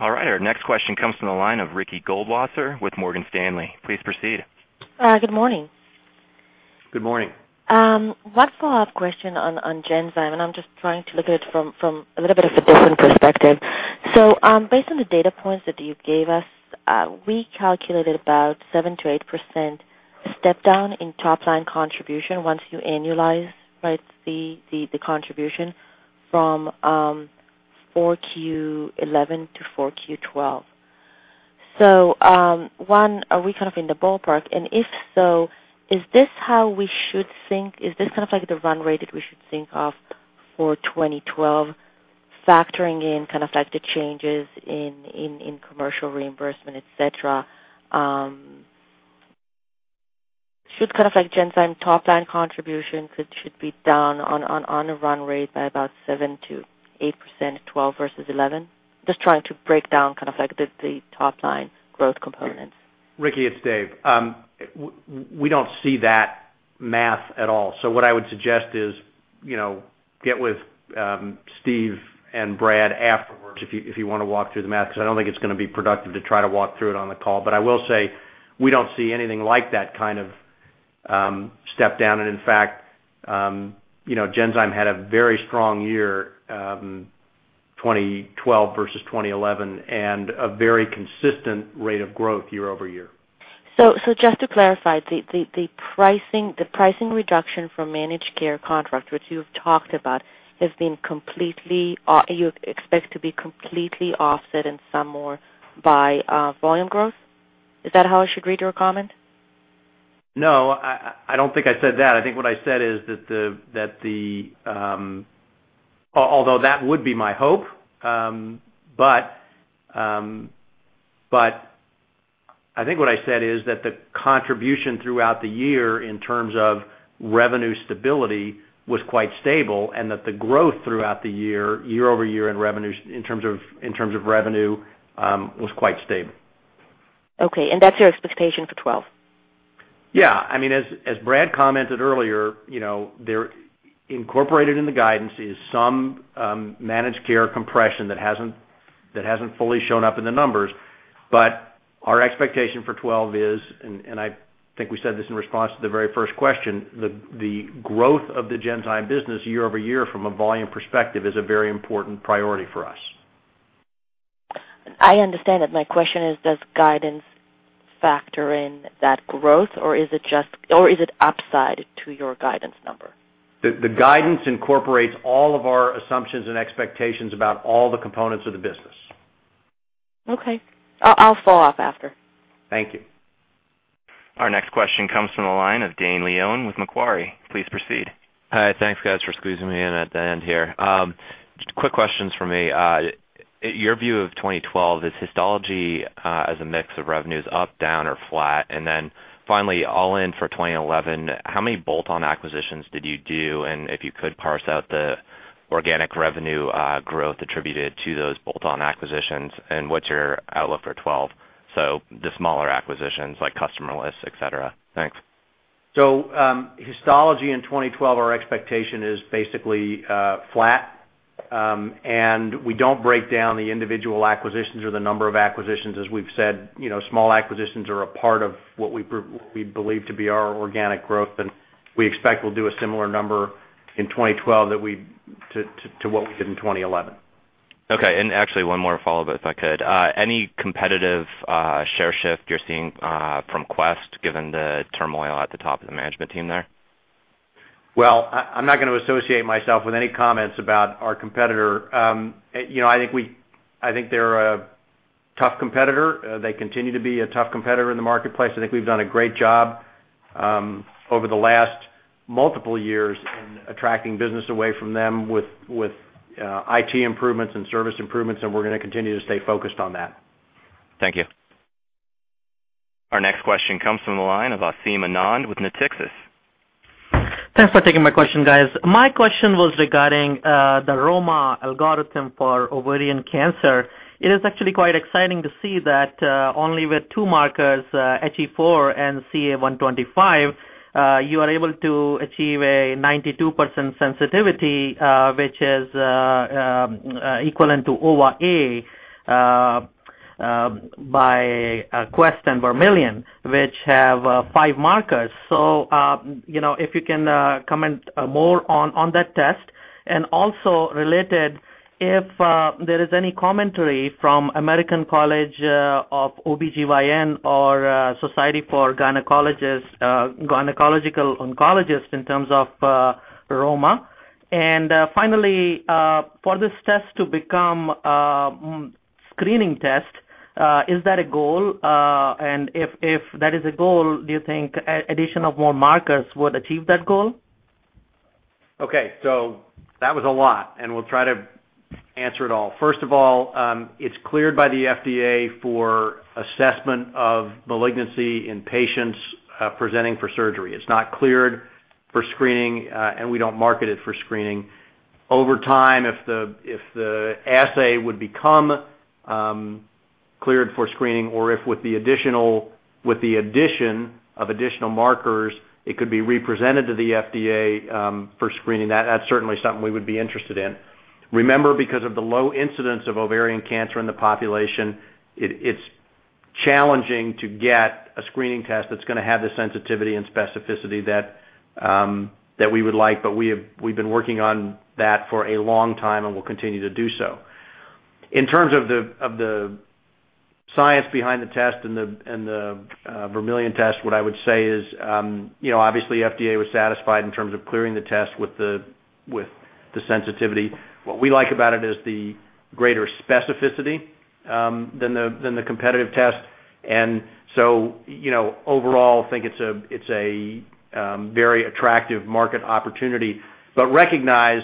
All right. Our next question comes from the line of Ricky Goldwasser with Morgan Stanley. Please proceed. Good morning. Good morning. One follow-up question on gen-time. I'm just trying to look at it from a little bit of a different perspective. Based on the data points that you gave us, we calculated about 7-8% step down in top line contribution once you annualize the contribution from 4Q 2011 to 4Q 2012. One, are we kind of in the ballpark? If so, is this how we should think? Is this kind of like the run rate that we should think of for 2012, factoring in kind of the changes in commercial reimbursement, etc.? Should kind of gen-time top line contribution be down on a run rate by about 7-8%, 2012 versus 2011? Just trying to break down kind of the top line growth components. Ricky, it's Dave. We don't see that math at all. What I would suggest is get with Steve and Brad afterwards if you want to walk through the math because I don't think it's going to be productive to try to walk through it on the call. I will say we don't see anything like that kind of step down. In fact, Genzyme had a very strong year 2012 versus 2011 and a very consistent rate of growth year-over-year. Just to clarify, the pricing reduction for managed care contracts, which you've talked about, you expect to be completely offset and some more by volume growth? Is that how I should read your comment? No. I don't think I said that. I think what I said is that although that would be my hope, I think what I said is that the contribution throughout the year in terms of revenue stability was quite stable and that the growth throughout the year, year-over-year in terms of revenue, was quite stable. Okay. That's your expectation for 2012? Yeah. I mean, as Brad commented earlier, incorporated in the guidance is some managed care compression that has not fully shown up in the numbers. Our expectation for 2012 is, and I think we said this in response to the very first question, the growth of the gen-time business year-over-year from a volume perspective is a very important priority for us. I understand that. My question is, does guidance factor in that growth, or is it upside to your guidance number? The guidance incorporates all of our assumptions and expectations about all the components of the business. Okay. I'll follow up after. Thank you. Our next question comes from the line of Dane Leon with Macquarie. Please proceed. Hi. Thanks, guys, for squeezing me in at the end here. Quick questions for me. Your view of 2012 is histology as a mix of revenues up, down, or flat. Finally, all in for 2011, how many bolt-on acquisitions did you do? If you could parse out the organic revenue growth attributed to those bolt-on acquisitions, and what's your outlook for 2012? The smaller acquisitions like customer lists, etc. Thanks. Histology in 2012, our expectation is basically flat. We do not break down the individual acquisitions or the number of acquisitions. As we have said, small acquisitions are a part of what we believe to be our organic growth. We expect we will do a similar number in 2012 to what we did in 2011. Okay. Actually, one more follow-up, if I could. Any competitive share shift you're seeing from Quest, given the turmoil at the top of the management team there? I'm not going to associate myself with any comments about our competitor. I think they're a tough competitor. They continue to be a tough competitor in the marketplace. I think we've done a great job over the last multiple years in attracting business away from them with IT improvements and service improvements. We're going to continue to stay focused on that. Thank you. Our next question comes from the line of Aseem Anand with Natixis. Thanks for taking my question, guys. My question was regarding the ROMA algorithm for ovarian cancer. It is actually quite exciting to see that only with two markers, HE4 and CA125, you are able to achieve a 92% sensitivity, which is equivalent to OVA1 by Quest and Vermillion, which have five markers. If you can comment more on that test. Also related, if there is any commentary from American College of OB-GYN or Society for Gynecological Oncologists in terms of ROMA. Finally, for this test to become a screening test, is that a goal? If that is a goal, do you think addition of more markers would achieve that goal? Okay. That was a lot. We'll try to answer it all. First of all, it's cleared by the FDA for assessment of malignancy in patients presenting for surgery. It's not cleared for screening, and we don't market it for screening. Over time, if the assay would become cleared for screening or if with the addition of additional markers, it could be represented to the FDA for screening, that's certainly something we would be interested in. Remember, because of the low incidence of ovarian cancer in the population, it's challenging to get a screening test that's going to have the sensitivity and specificity that we would like. We've been working on that for a long time and will continue to do so. In terms of the science behind the test and the Vermillion test, what I would say is, obviously, FDA was satisfied in terms of clearing the test with the sensitivity. What we like about it is the greater specificity than the competitive test. Overall, I think it's a very attractive market opportunity. Recognize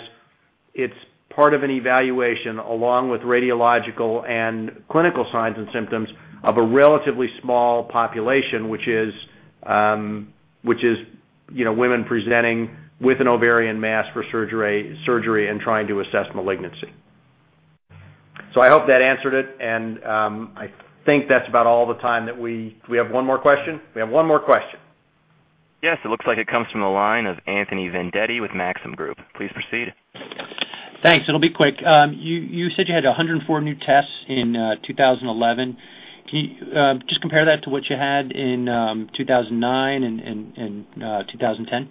it's part of an evaluation along with radiological and clinical signs and symptoms of a relatively small population, which is women presenting with an ovarian mass for surgery and trying to assess malignancy. I hope that answered it. I think that's about all the time that we have. One more question? We have one more question. Yes. It looks like it comes from the line of Anthony Vendetti with Maxim Group. Please proceed. Thanks. It'll be quick. You said you had 104 new tests in 2011. Can you just compare that to what you had in 2009 and 2010?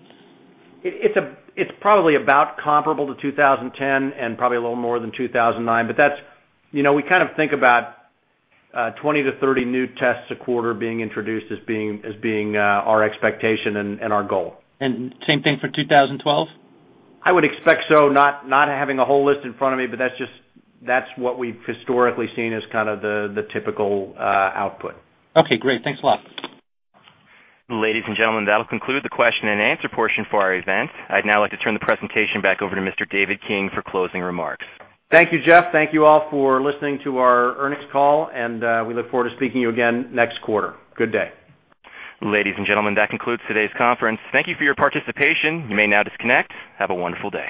It's probably about comparable to 2010 and probably a little more than 2009. We kind of think about 20-30 new tests a quarter being introduced as being our expectation and our goal. Same thing for 2012? I would expect so, not having a whole list in front of me. That is what we've historically seen as kind of the typical output. Okay. Great. Thanks a lot. Ladies and gentlemen, that'll conclude the question and answer portion for our event. I'd now like to turn the presentation back over to Mr. David King for closing remarks. Thank you, Jeff. Thank you all for listening to our earnings call. We look forward to speaking to you again next quarter. Good day. Ladies and gentlemen, that concludes today's conference. Thank you for your participation. You may now disconnect. Have a wonderful day.